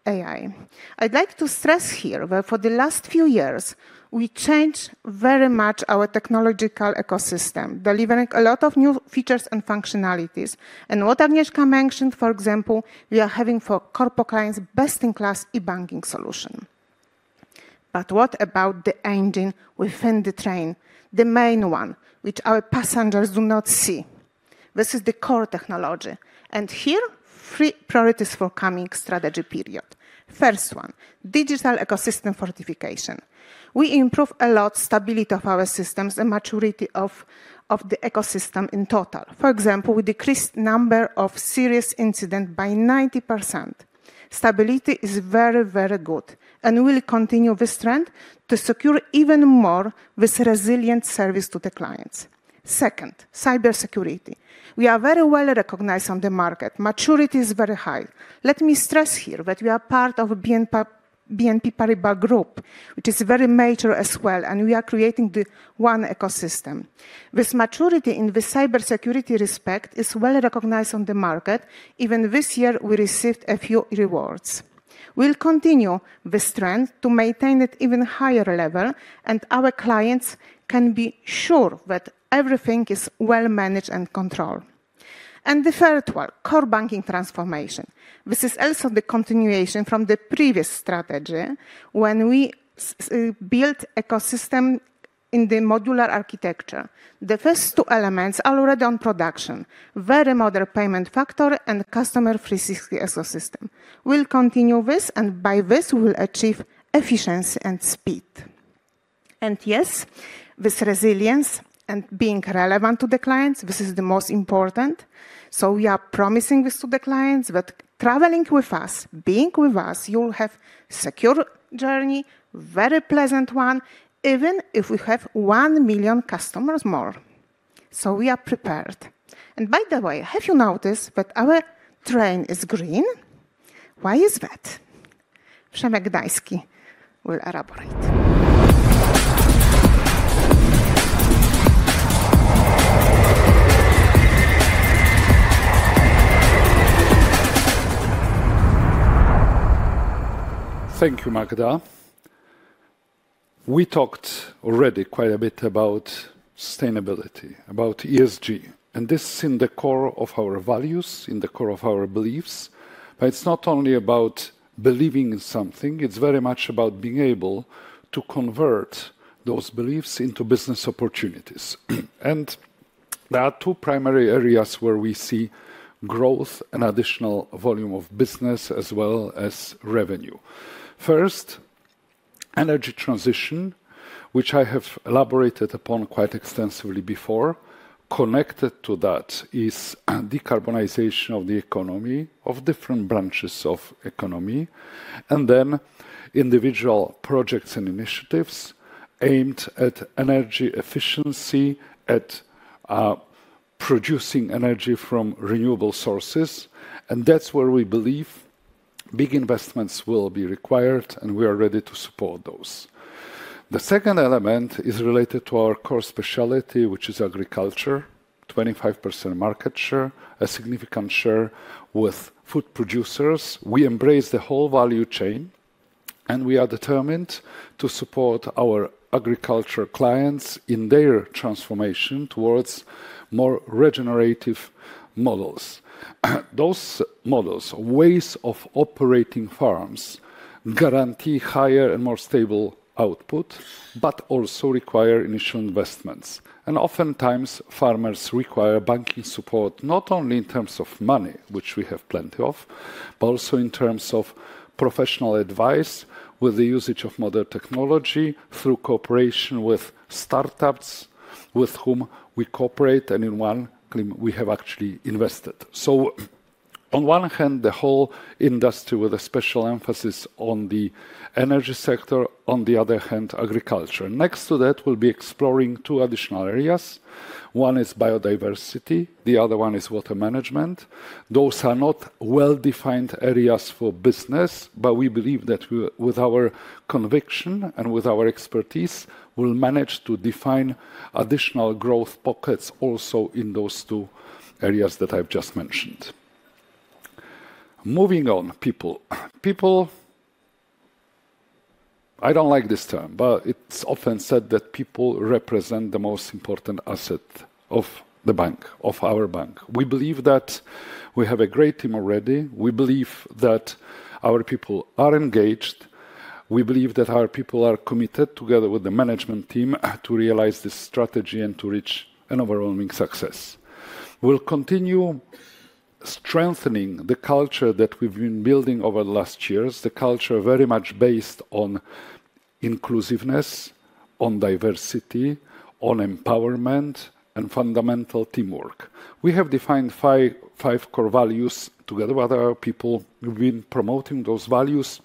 AI. I'd like to stress here that for the last few years, we changed very much our technological ecosystem, delivering a lot of new features and functionalities, and what Agnieszka mentioned, for example, we are having for corporate clients best-in-class e-banking solution. But what about the engine within the train, the main one, which our passengers do not see? This is the core technology, and here, three priorities for the coming strategy period. First one, digital ecosystem fortification. We improved a lot the stability of our systems and the maturity of the ecosystem in total. For example, we decreased the number of serious incidents by 90%. Stability is very, very good. We will continue this trend to secure even more with resilient service to the clients. Second, cybersecurity. We are very well recognized on the market. Maturity is very high. Let me stress here that we are part of the BNP Paribas Group, which is very mature as well. And we are creating the one ecosystem. This maturity in the cybersecurity respect is well recognized on the market. Even this year, we received a few awards. We'll continue this trend to maintain it at an even higher level. And our clients can be sure that everything is well managed and controlled. And the third one, core banking transformation. This is also the continuation from the previous strategy when we built the ecosystem in the modular architecture. The first two elements are already in production: very modern Payment Factory and Customer 360 ecosystem. We'll continue this. By this, we'll achieve efficiency and speed. Yes, with resilience and being relevant to the clients, this is the most important. We are promising this to the clients that traveling with us, being with us, you'll have a secure journey, a very pleasant one, even if we have one million customers more. We are prepared. By the way, have you noticed that our train is green? Why is that? Przemysław Gdański will elaborate. Thank you, Magda. We talked already quite a bit about sustainability, about ESG. This is in the core of our values, in the core of our beliefs. It's not only about believing in something. It's very much about being able to convert those beliefs into business opportunities. There are two primary areas where we see growth and additional volume of business, as well as revenue. First, Energy transition, which I have elaborated upon quite extensively before. Connected to that is decarbonization of the economy, of different branches of the economy. And then individual projects and initiatives aimed at energy efficiency, at producing energy from renewable sources. And that's where we believe big investments will be required. And we are ready to support those. The second element is related to our core specialty, which is Agriculture, 25% market share, a significant share with food producers. We embrace the whole value chain. And we are determined to support our agriculture clients in their transformation towards more regenerative models. Those models, ways of operating farms, guarantee higher and more stable output, but also require initial investments. And oftentimes, farmers require banking support not only in terms of money, which we have plenty of, but also in terms of professional advice with the usage of modern technology through cooperation with startups with whom we cooperate. And in one, we have actually invested. So on one hand, the whole industry with a special emphasis on the energy sector. On the other hand, agriculture. Next to that, we'll be exploring two additional areas. One is Biodiversity. The other one is Water Management. Those are not well-defined areas for business. But we believe that with our conviction and with our expertise, we'll manage to define additional growth pockets also in those two areas that I've just mentioned. Moving on, people. People, I don't like this term, but it's often said that people represent the most important asset of the bank, of our bank. We believe that we have a great team already. We believe that our people are engaged. We believe that our people are committed, together with the management team, to realize this strategy and to reach an overwhelming success. We'll continue strengthening the culture that we've been building over the last years, the culture very much based on inclusiveness, on diversity, on empowerment, and fundamental teamwork. We have defined five core values together with our people. We've been promoting those values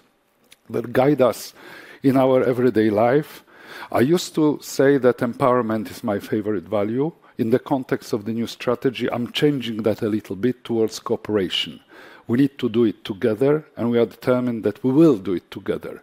that guide us in our everyday life. I used to say that empowerment is my favorite value. In the context of the new strategy, I'm changing that a little bit towards cooperation. We need to do it together, and we are determined that we will do it together.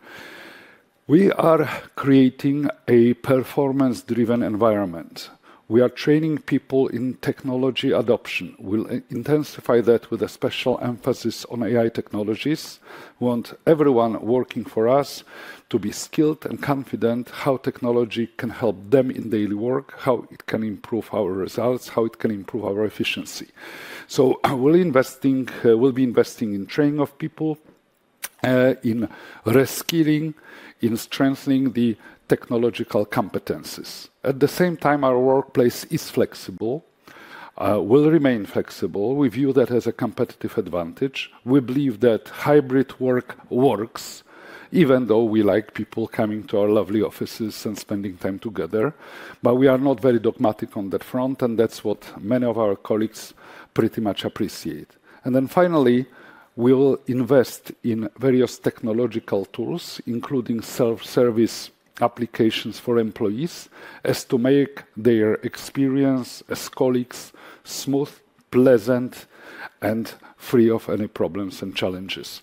We are creating a performance-driven environment. We are training people in technology adoption. We'll intensify that with a special emphasis on AI technologies. We want everyone working for us to be skilled and confident in how technology can help them in daily work, how it can improve our results, how it can improve our efficiency. So we'll be investing in training of people, in reskilling, in strengthening the technological competencies. At the same time, our workplace is flexible. We'll remain flexible. We view that as a competitive advantage. We believe that hybrid work works, even though we like people coming to our lovely offices and spending time together. But we are not very dogmatic on that front. And that's what many of our colleagues pretty much appreciate. And then finally, we'll invest in various technological tools, including self-service applications for employees, as to make their experience as colleagues smooth, pleasant, and free of any problems and challenges.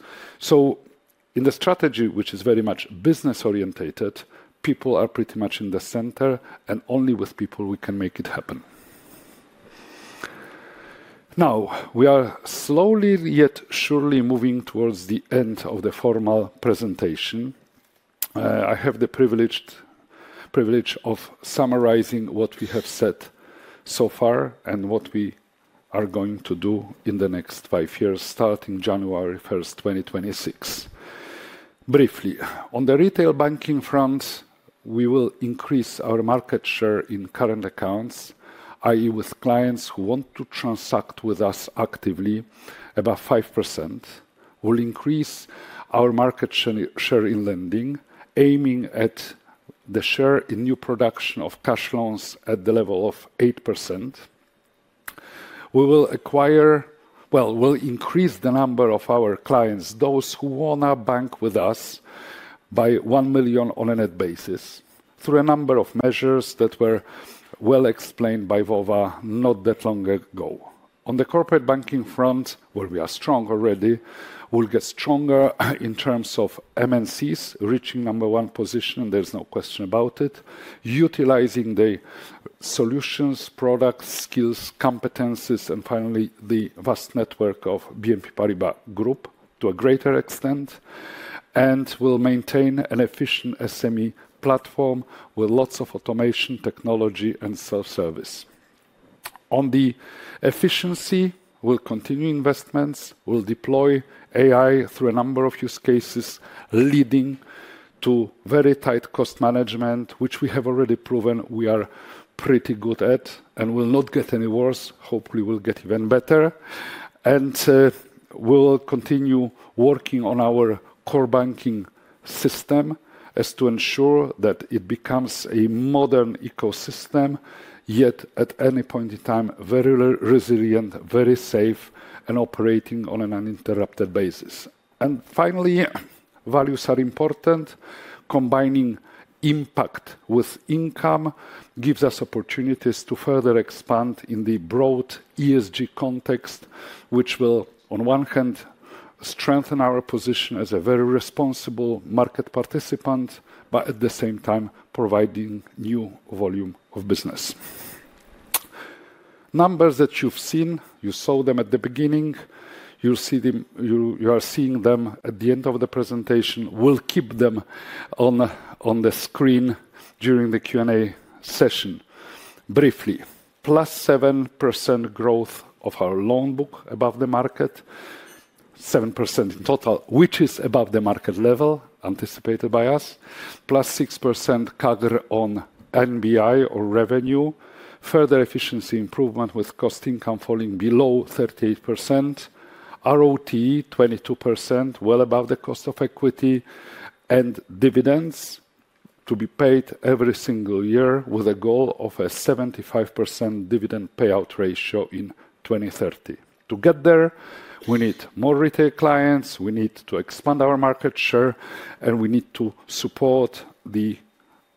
In the strategy, which is very much business-oriented, people are pretty much in the center. Only with people we can make it happen. Now, we are slowly yet surely moving towards the end of the formal presentation. I have the privilege of summarizing what we have said so far and what we are going to do in the next five years, starting January 1, 2026. Briefly, on the Retail Banking front, we will increase our market share in current accounts, i.e., with clients who want to transact with us actively, about 5%. We'll increase our market share in lending, aiming at the share in new production of cash loans at the level of 8%. Well, we'll increase the number of our clients, those who want to bank with us, by one million on a net basis through a number of measures that were well explained by Vova not that long ago. On the Corporate Banking front, where we are strong already, we'll get stronger in terms of MNCs reaching number one position. There's no question about it, utilizing the solutions, products, skills, competencies, and finally, the vast network of BNP Paribas Group to a greater extent, and we'll maintain an efficient SME platform with lots of automation, technology, and self-service. On the efficiency, we'll continue investments. We'll deploy AI through a number of use cases, leading to very tight cost management, which we have already proven we are pretty good at, and we'll not get any worse. Hopefully, we'll get even better. We'll continue working on our core banking system as to ensure that it becomes a modern ecosystem, yet at any point in time, very resilient, very safe, and operating on an uninterrupted basis. Finally, values are important. Combining impact with income gives us opportunities to further expand in the broad ESG context, which will, on one hand, strengthen our position as a very responsible market participant, but at the same time, providing new volume of business. Numbers that you've seen, you saw them at the beginning. You'll see them. You are seeing them at the end of the presentation. We'll keep them on the screen during the Q&A session. Briefly, +7% growth of our loan book above the market, 7% in total, which is above the market level anticipated by us, +6% CAGR on NBI or revenue, further efficiency improvement with cost income falling below 38%, ROTE 22%, well above the cost of equity, and dividends to be paid every single year with a goal of a 75% dividend payout ratio in 2030. To get there, we need more retail clients. We need to expand our market share. And we need to support the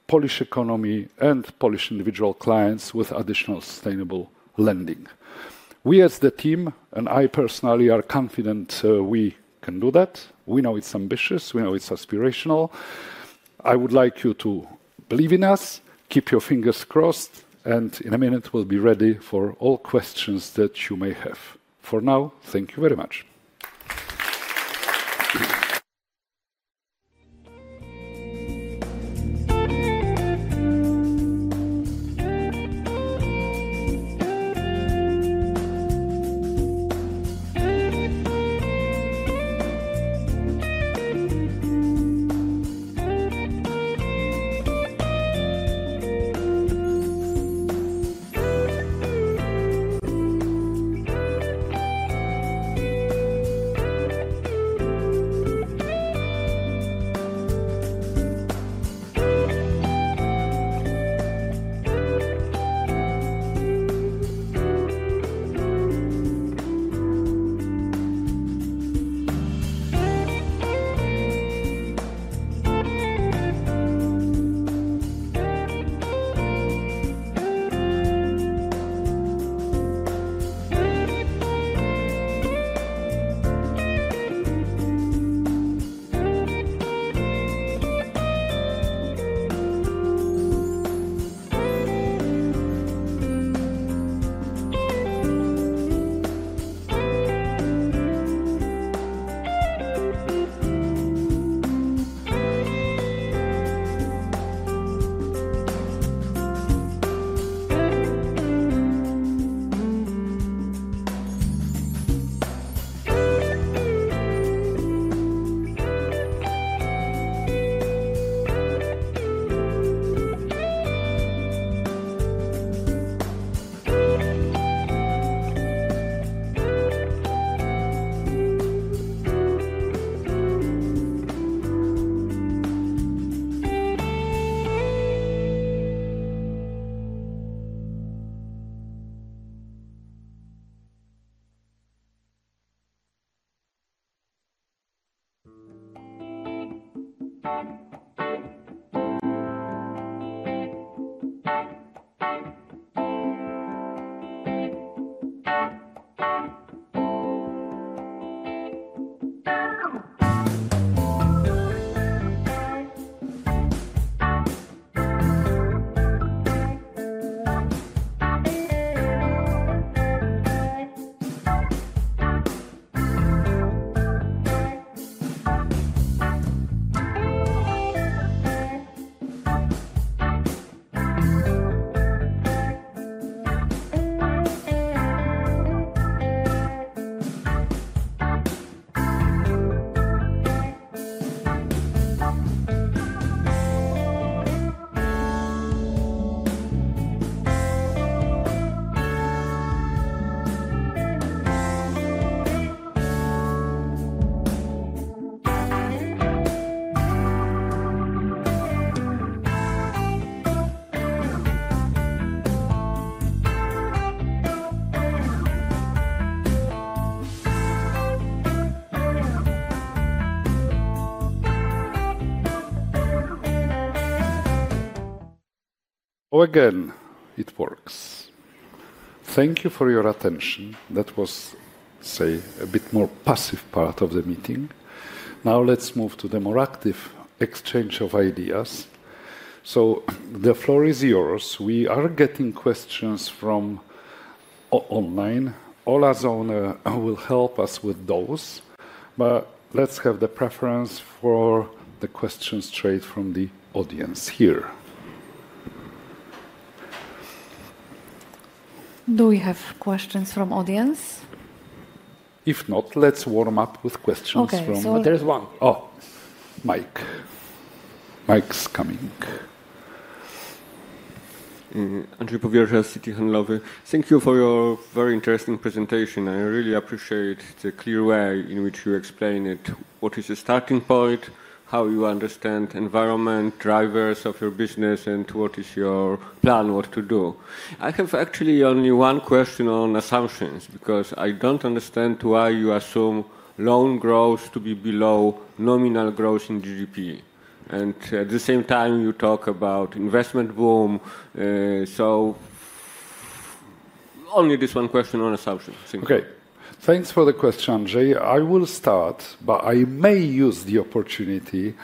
Polish economy and Polish individual clients with additional sustainable lending. We, as the team, and I personally are confident we can do that. We know it's ambitious. We know it's aspirational. I would like you to believe in us. Keep your fingers crossed. And in a minute, we'll be ready for all questions that you may have. For now, thank you very much. Again, it works. Thank you for your attention. That was, say, a bit more passive part of the meeting. Now, let's move to the more active exchange of ideas, so the floor is yours. We are getting questions from online. Ola Zon will help us with those. But let's have the preference for the questions straight from the audience here. Do we have questions from the audience? If not, let's warm up with questions from.... Okay, so there's one. Oh, Mike. Mike's coming. Andrzej Powierża, Citi Handlowy. Thank you for your very interesting presentation. I really appreciate the clear way in which you explain it, what is the starting point, how you understand environment, drivers of your business, and what is your plan, what to do. I have actually only one question on assumptions because I don't understand why you assume loan growth to be below nominal growth in GDP. At the same time, you talk about investment boom. Only this one question on assumptions. Okay. Thanks for the question, Andrzej. I will start, but I may use the opportunity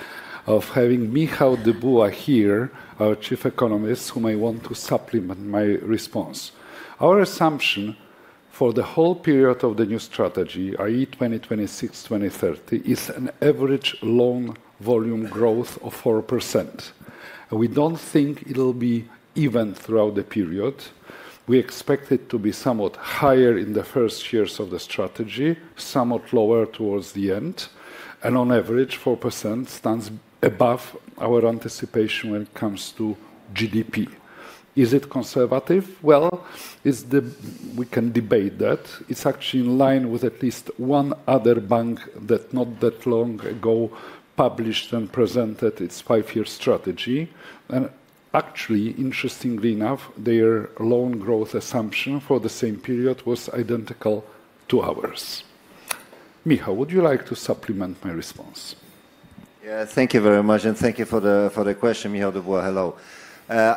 of having Michał Dybuła here, our Chief Economist, who may want to supplement my response. Our assumption for the whole period of the new strategy, i.e., 2026-2030, is an average loan volume growth of 4%. We don't think it will be even throughout the period. We expect it to be somewhat higher in the first years of the strategy, somewhat lower towards the end. On average, 4% stands above our anticipation when it comes to GDP. Is it conservative? Well, we can debate that. It's actually in line with at least one other bank that not that long ago published and presented its five-year strategy. And actually, interestingly enough, their loan growth assumption for the same period was identical to ours. Michał, would you like to supplement my response? Yeah, thank you very much. And thank you for the question, Michał Dybuła. Hello.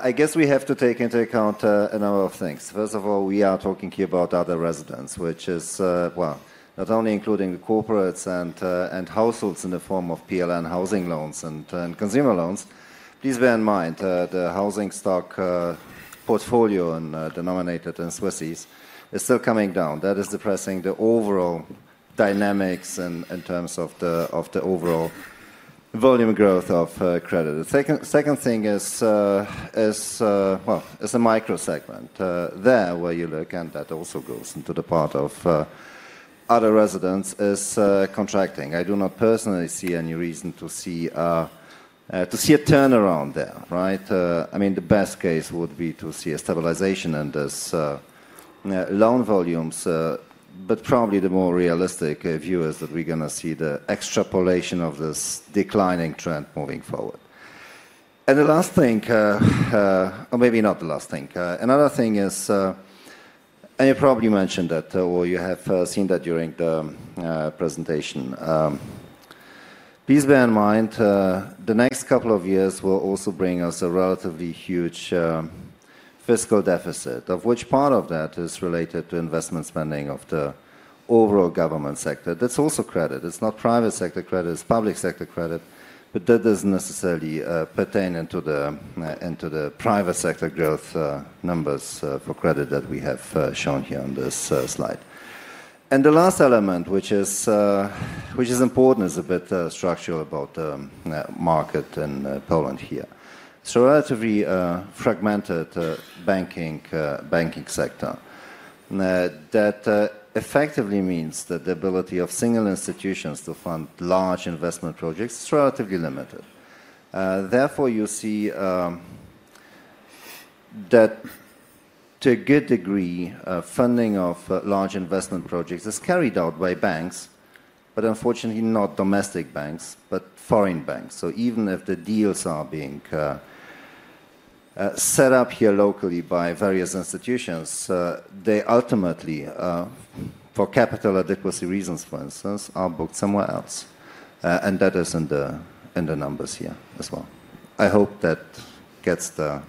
I guess we have to take into account a number of things. First of all, we are talking here about other residents, which is, well, not only including the corporates and households in the form of PLN housing loans and consumer loans. Please bear in mind the housing stock portfolio and the denominated in Swiss francs is still coming down. That is depressing the overall dynamics in terms of the overall volume growth of credit. The second thing is, well, as a microsegment, there where you look, and that also goes into the part of other residents, is contracting. I do not personally see any reason to see a turnaround there, right? I mean, the best case would be to see a stabilization in these loan volumes, but probably the more realistic view is that we're going to see the extrapolation of this declining trend moving forward. And the last thing, or maybe not the last thing, another thing is, and you probably mentioned that, or you have seen that during the presentation. Please bear in mind the next couple of years will also bring us a relatively huge fiscal deficit, of which part of that is related to investment spending of the overall government sector. That's also credit. It's not private sector credit. It's public sector credit. But that doesn't necessarily pertain into the private sector growth numbers for credit that we have shown here on this slide. And the last element, which is important, is a bit structural about the market in Poland here. It's a relatively fragmented banking sector. That effectively means that the ability of single institutions to fund large investment projects is relatively limited. Therefore, you see that to a good degree, funding of large investment projects is carried out by banks, but unfortunately not domestic banks, but foreign banks. So even if the deals are being set up here locally by various institutions, they ultimately, for capital adequacy reasons, for instance, are booked somewhere else. And that is in the numbers here as well. I hope that gets the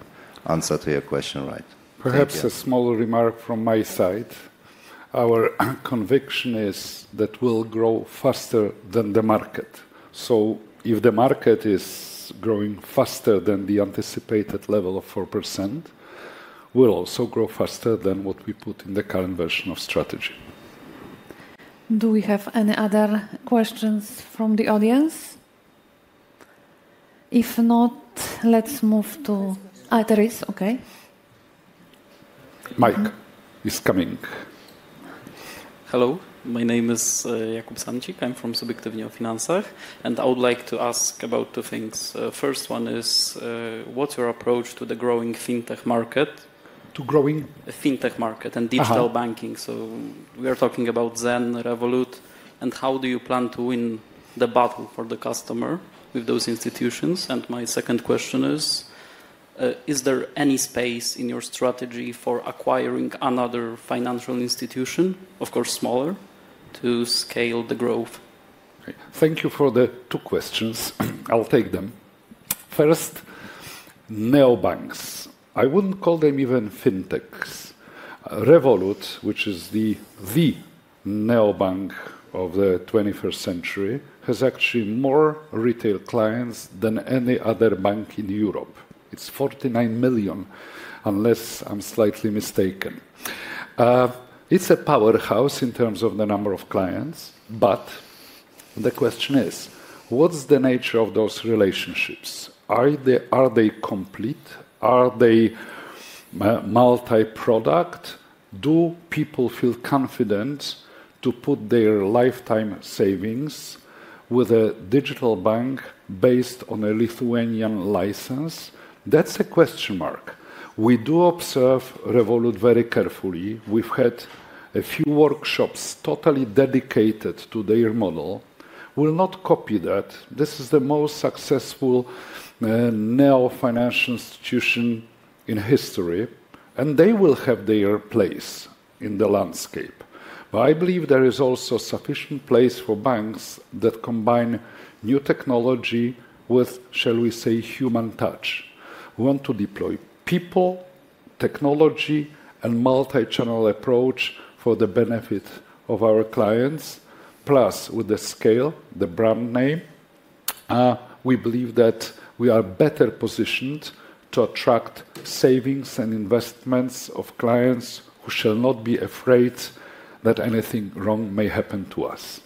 answer to your question right. Perhaps a smaller remark from my side. Our conviction is that we'll grow faster than the market. So if the market is growing faster than the anticipated level of 4%, we'll also grow faster than what we put in the current version of strategy. Do we have any other questions from the audience? If not, let's move to Iteris, okay? Mike is coming. Hello. My name is Maciej Samcik. I'm from Subiektywnie o Finansach. And I would like to ask about two things. First one is, what's your approach to the growing Fintech Market and Digital Banking. So we are talking about ZEN, Revolut. And how do you plan to win the battle for the customer with those institutions? And my second question is, is there any space in your strategy for acquiring another financial institution, of course smaller, to scale the growth? Thank you for the two questions. I'll take them. First, neobanks. I wouldn't call them even Fintechs. Revolut, which is the Neobank of the 21st century, has actually more retail clients than any other bank in Europe. It's 49 million, unless I'm slightly mistaken. It's a powerhouse in terms of the number of clients. But the question is, what's the nature of those relationships? Are they complete? Are they multi-product? Do people feel confident to put their lifetime savings with a Digital Bank based on a Lithuanian license? That's a question mark. We do observe Revolut very carefully. We've had a few workshops totally dedicated to their model. We'll not copy that. This is the most successful neofinancial institution in history. And they will have their place in the landscape. But I believe there is also sufficient place for banks that combine new technology with, shall we say, human touch. We want to deploy people, technology, and multi-channel approach for the benefit of our clients. Plus, with the scale, the brand name, we believe that we are better positioned to attract savings and investments of clients who shall not be afraid that anything wrong may happen to us.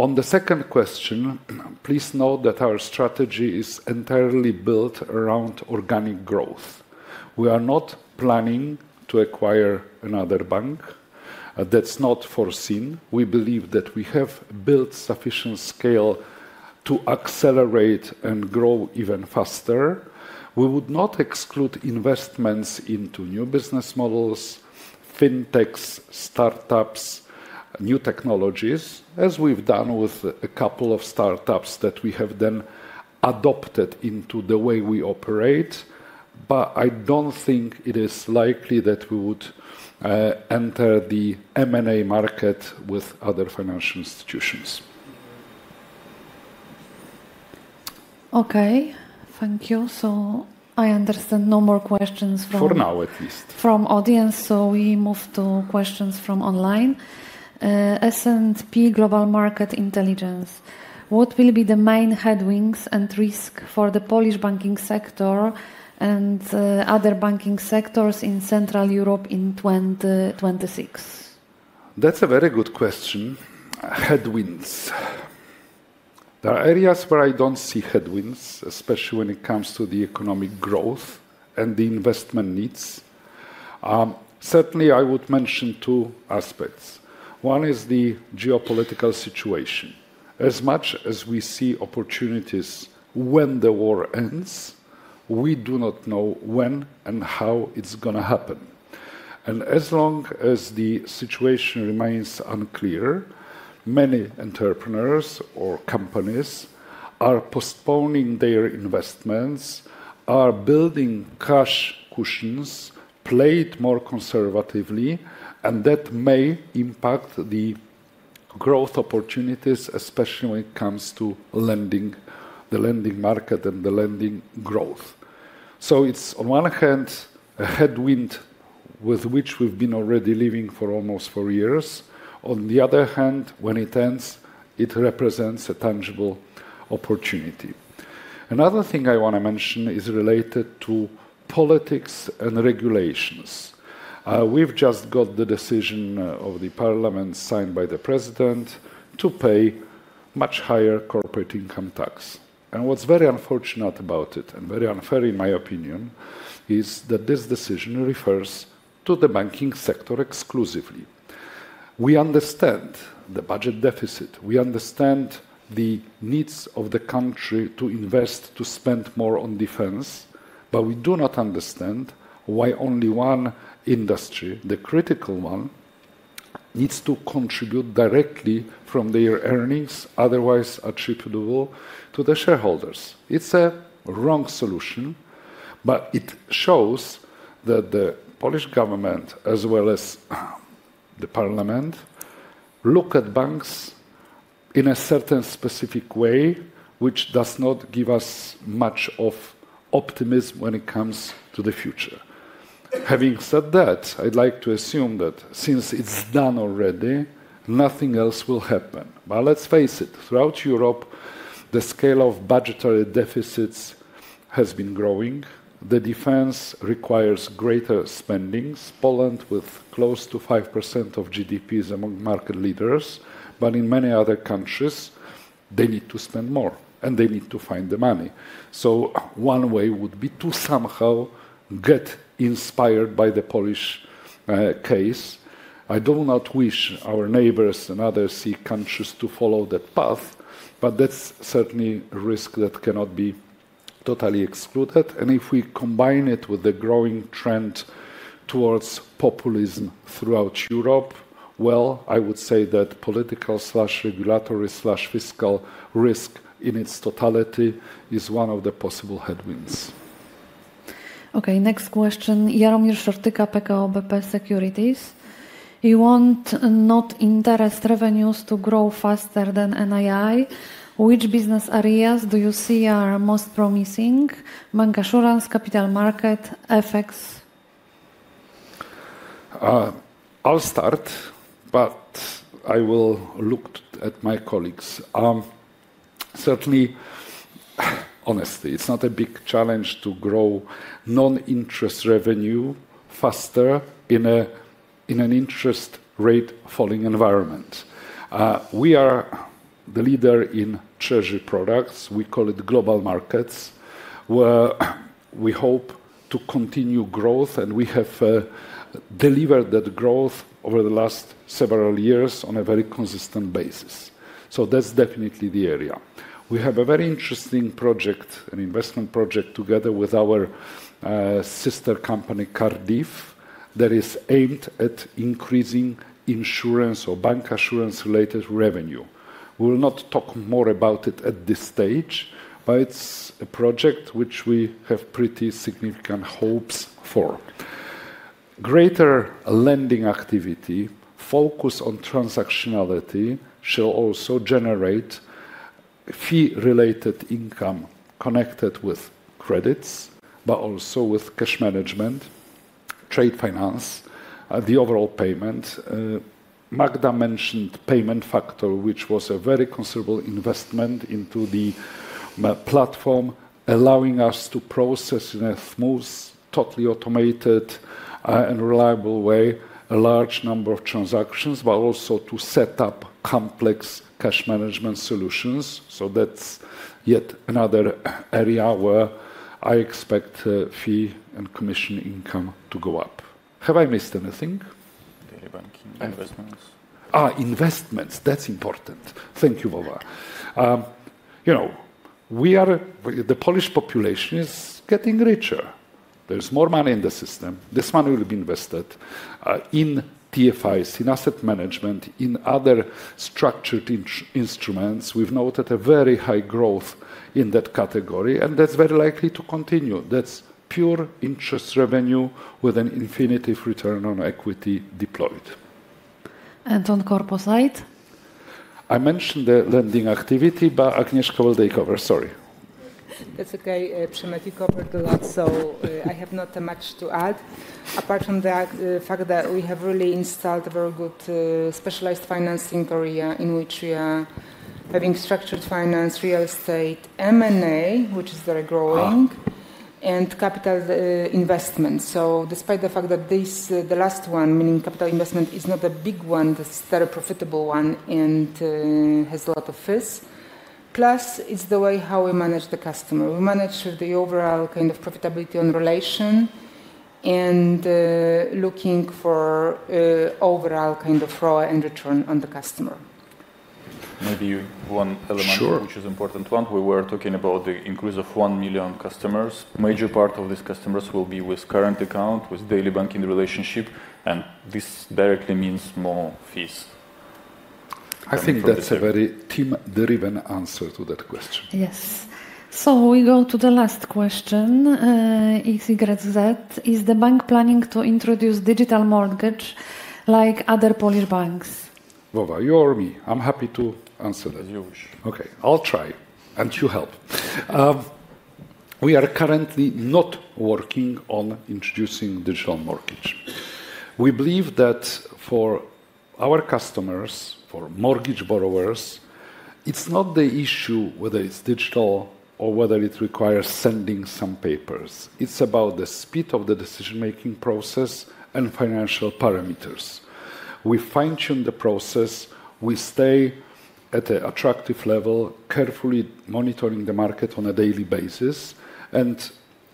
On the second question, please note that our strategy is entirely built around organic growth. We are not planning to acquire another bank. That's not foreseen. We believe that we have built sufficient scale to accelerate and grow even faster. We would not exclude investments into new business models, fintechs, startups, new technologies, as we've done with a couple of startups that we have then adopted into the way we operate. But I don't think it is likely that we would enter the M&A market with other financial institutions. Okay. Thank you. So I understand no more questions from... For now, at least. From audience. So we move to questions from online. S&P Global Market Intelligence. What will be the main headwinds and risks for the Polish banking sector and other banking sectors in Central Europe in 2026? That's a very good question. Headwinds. There are areas where I don't see headwinds, especially when it comes to the economic growth and the investment needs. Certainly, I would mention two aspects. One is the geopolitical situation. As much as we see opportunities when the war ends, we do not know when and how it's going to happen. And as long as the situation remains unclear, many entrepreneurs or companies are postponing their investments, are building cash cushions, played more conservatively, and that may impact the growth opportunities, especially when it comes to the lending market and the lending growth. So it's, on one hand, a headwind with which we've been already living for almost four years. On the other hand, when it ends, it represents a tangible opportunity. Another thing I want to mention is related to politics and regulations. We've just got the decision of the Parliament signed by the president to pay much higher corporate income tax. And what's very unfortunate about it, and very unfair in my opinion, is that this decision refers to the banking sector exclusively. We understand the budget deficit. We understand the needs of the country to invest, to spend more on defense. But we do not understand why only one industry, the critical one, needs to contribute directly from their earnings, otherwise attributable to the shareholders. It's a wrong solution. But it shows that the Polish government, as well as the Parliament, look at banks in a certain specific way, which does not give us much optimism when it comes to the future. Having said that, I'd like to assume that since it's done already, nothing else will happen. But let's face it. Throughout Europe, the scale of budgetary deficits has been growing. The defense requires greater spending. Poland, with close to 5% of GDP, is among market leaders. But in many other countries, they need to spend more. And they need to find the money. So one way would be to somehow get inspired by the Polish case. I do not wish our neighbors and other CEE countries to follow that path. But that's certainly a risk that cannot be totally excluded. And if we combine it with the growing trend towards populism throughout Europe, well, I would say that political, regulatory, fiscal risk in its totality is one of the possible headwinds. Okay. Next question. Jaromir Szortyka, PKO BP Securities. You want net interest revenues to grow faster than NII. Which business areas do you see are most promising? Bancassurance, Capital Markets, FX? I'll start. But I will look at my colleagues. Certainly, honestly, it's not a big challenge to grow non-interest revenue faster in an interest rate falling environment. We are the leader in Treasury products. We call it global markets, where we hope to continue growth. And we have delivered that growth over the last several years on a very consistent basis. So that's definitely the area. We have a very interesting project, an investment project together with our sister company Cardif that is aimed at increasing insurance or bancassurance-related revenue. We will not talk more about it at this stage. But it's a project which we have pretty significant hopes for. Greater lending activity, focus on transactionality, shall also generate fee-related income connected with credits, but also with cash management, trade finance, the overall payment. Magda mentioned Payment Factory, which was a very considerable investment into the platform, allowing us to process in a smooth, totally automated, and reliable way a large number of transactions, but also to set up complex cash management solutions. So that's yet another area where I expect fee and commission income to go up. Have I missed anything? Daily banking investments. That's important. Thank you, Vova. You know, the Polish population is getting richer. There's more money in the system. This money will be invested in TFIs, in asset management, in other structured instruments. We've noted a very high growth in that category, and that's very likely to continue. That's pure interest revenue with an infinite return on equity deployed. And on corporate side? I mentioned the lending activity, but Agnieszka will take over. Sorry. That's okay. Przemysław covered a lot, so I have not much to add, apart from the fact that we have really installed a very good specialized financing area in which we are having structured finance, Real Estate, M&A, which is very growing, and Capital Investments. So despite the fact that the last one, meaning Capital Investment, is not a big one, it's a very profitable one and has a lot of fish, plus it's the way how we manage the customer. We manage the overall kind of profitability on relation and looking for overall kind of ROI and return on the customer. Maybe one element which is an important one. We were talking about the increase of one million customers. A major part of these customers will be with current account, with daily banking relationship. And this directly means more fees. I think that's a very team-driven answer to that question. Yes. So we go to the last question. Is the bank planning to introduce digital mortgage like other Polish banks? Vova, you or me? I'm happy to answer that. As you wish. Okay. I'll try. And you help. We are currently not working on introducing digital mortgage. We believe that for our customers, for mortgage borrowers, it's not the issue whether it's digital or whether it requires sending some papers. It's about the speed of the decision-making process and financial parameters. We fine-tune the process. We stay at an attractive level, carefully monitoring the market on a daily basis. And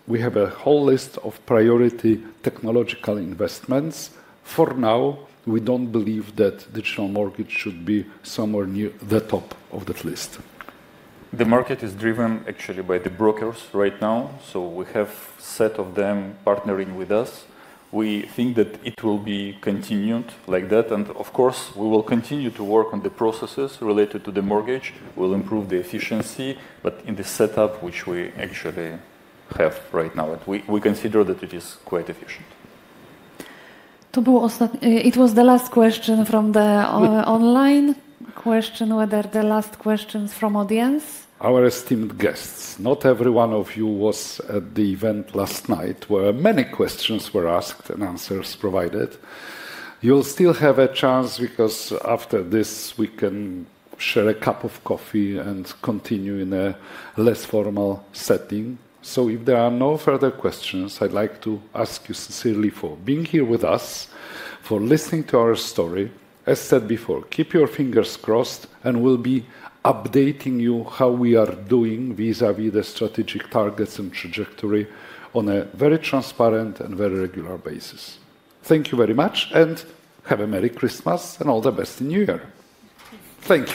we have a whole list of priority technological investments. For now, we don't believe that digital mortgage should be somewhere near the top of that list. The market is driven actually by the brokers right now. So we have a set of them partnering with us. We think that it will be continued like that, and of course, we will continue to work on the processes related to the mortgage. We'll improve the efficiency, but in the setup which we actually have right now. We consider that it is quite efficient. It was the last question from the online questions, or the last questions from the audience. Our esteemed guests, not every one of you was at the event last night where many questions were asked and answers provided. You'll still have a chance because after this, we can share a cup of coffee and continue in a less formal setting, so if there are no further questions, I'd like to ask you sincerely for being here with us, for listening to our story. As said before, keep your fingers crossed. We'll be updating you how we are doing vis-à-vis the strategic targets and trajectory on a very transparent and very regular basis. Thank you very much. Have a Merry Christmas and all the best in New Year. Thank you.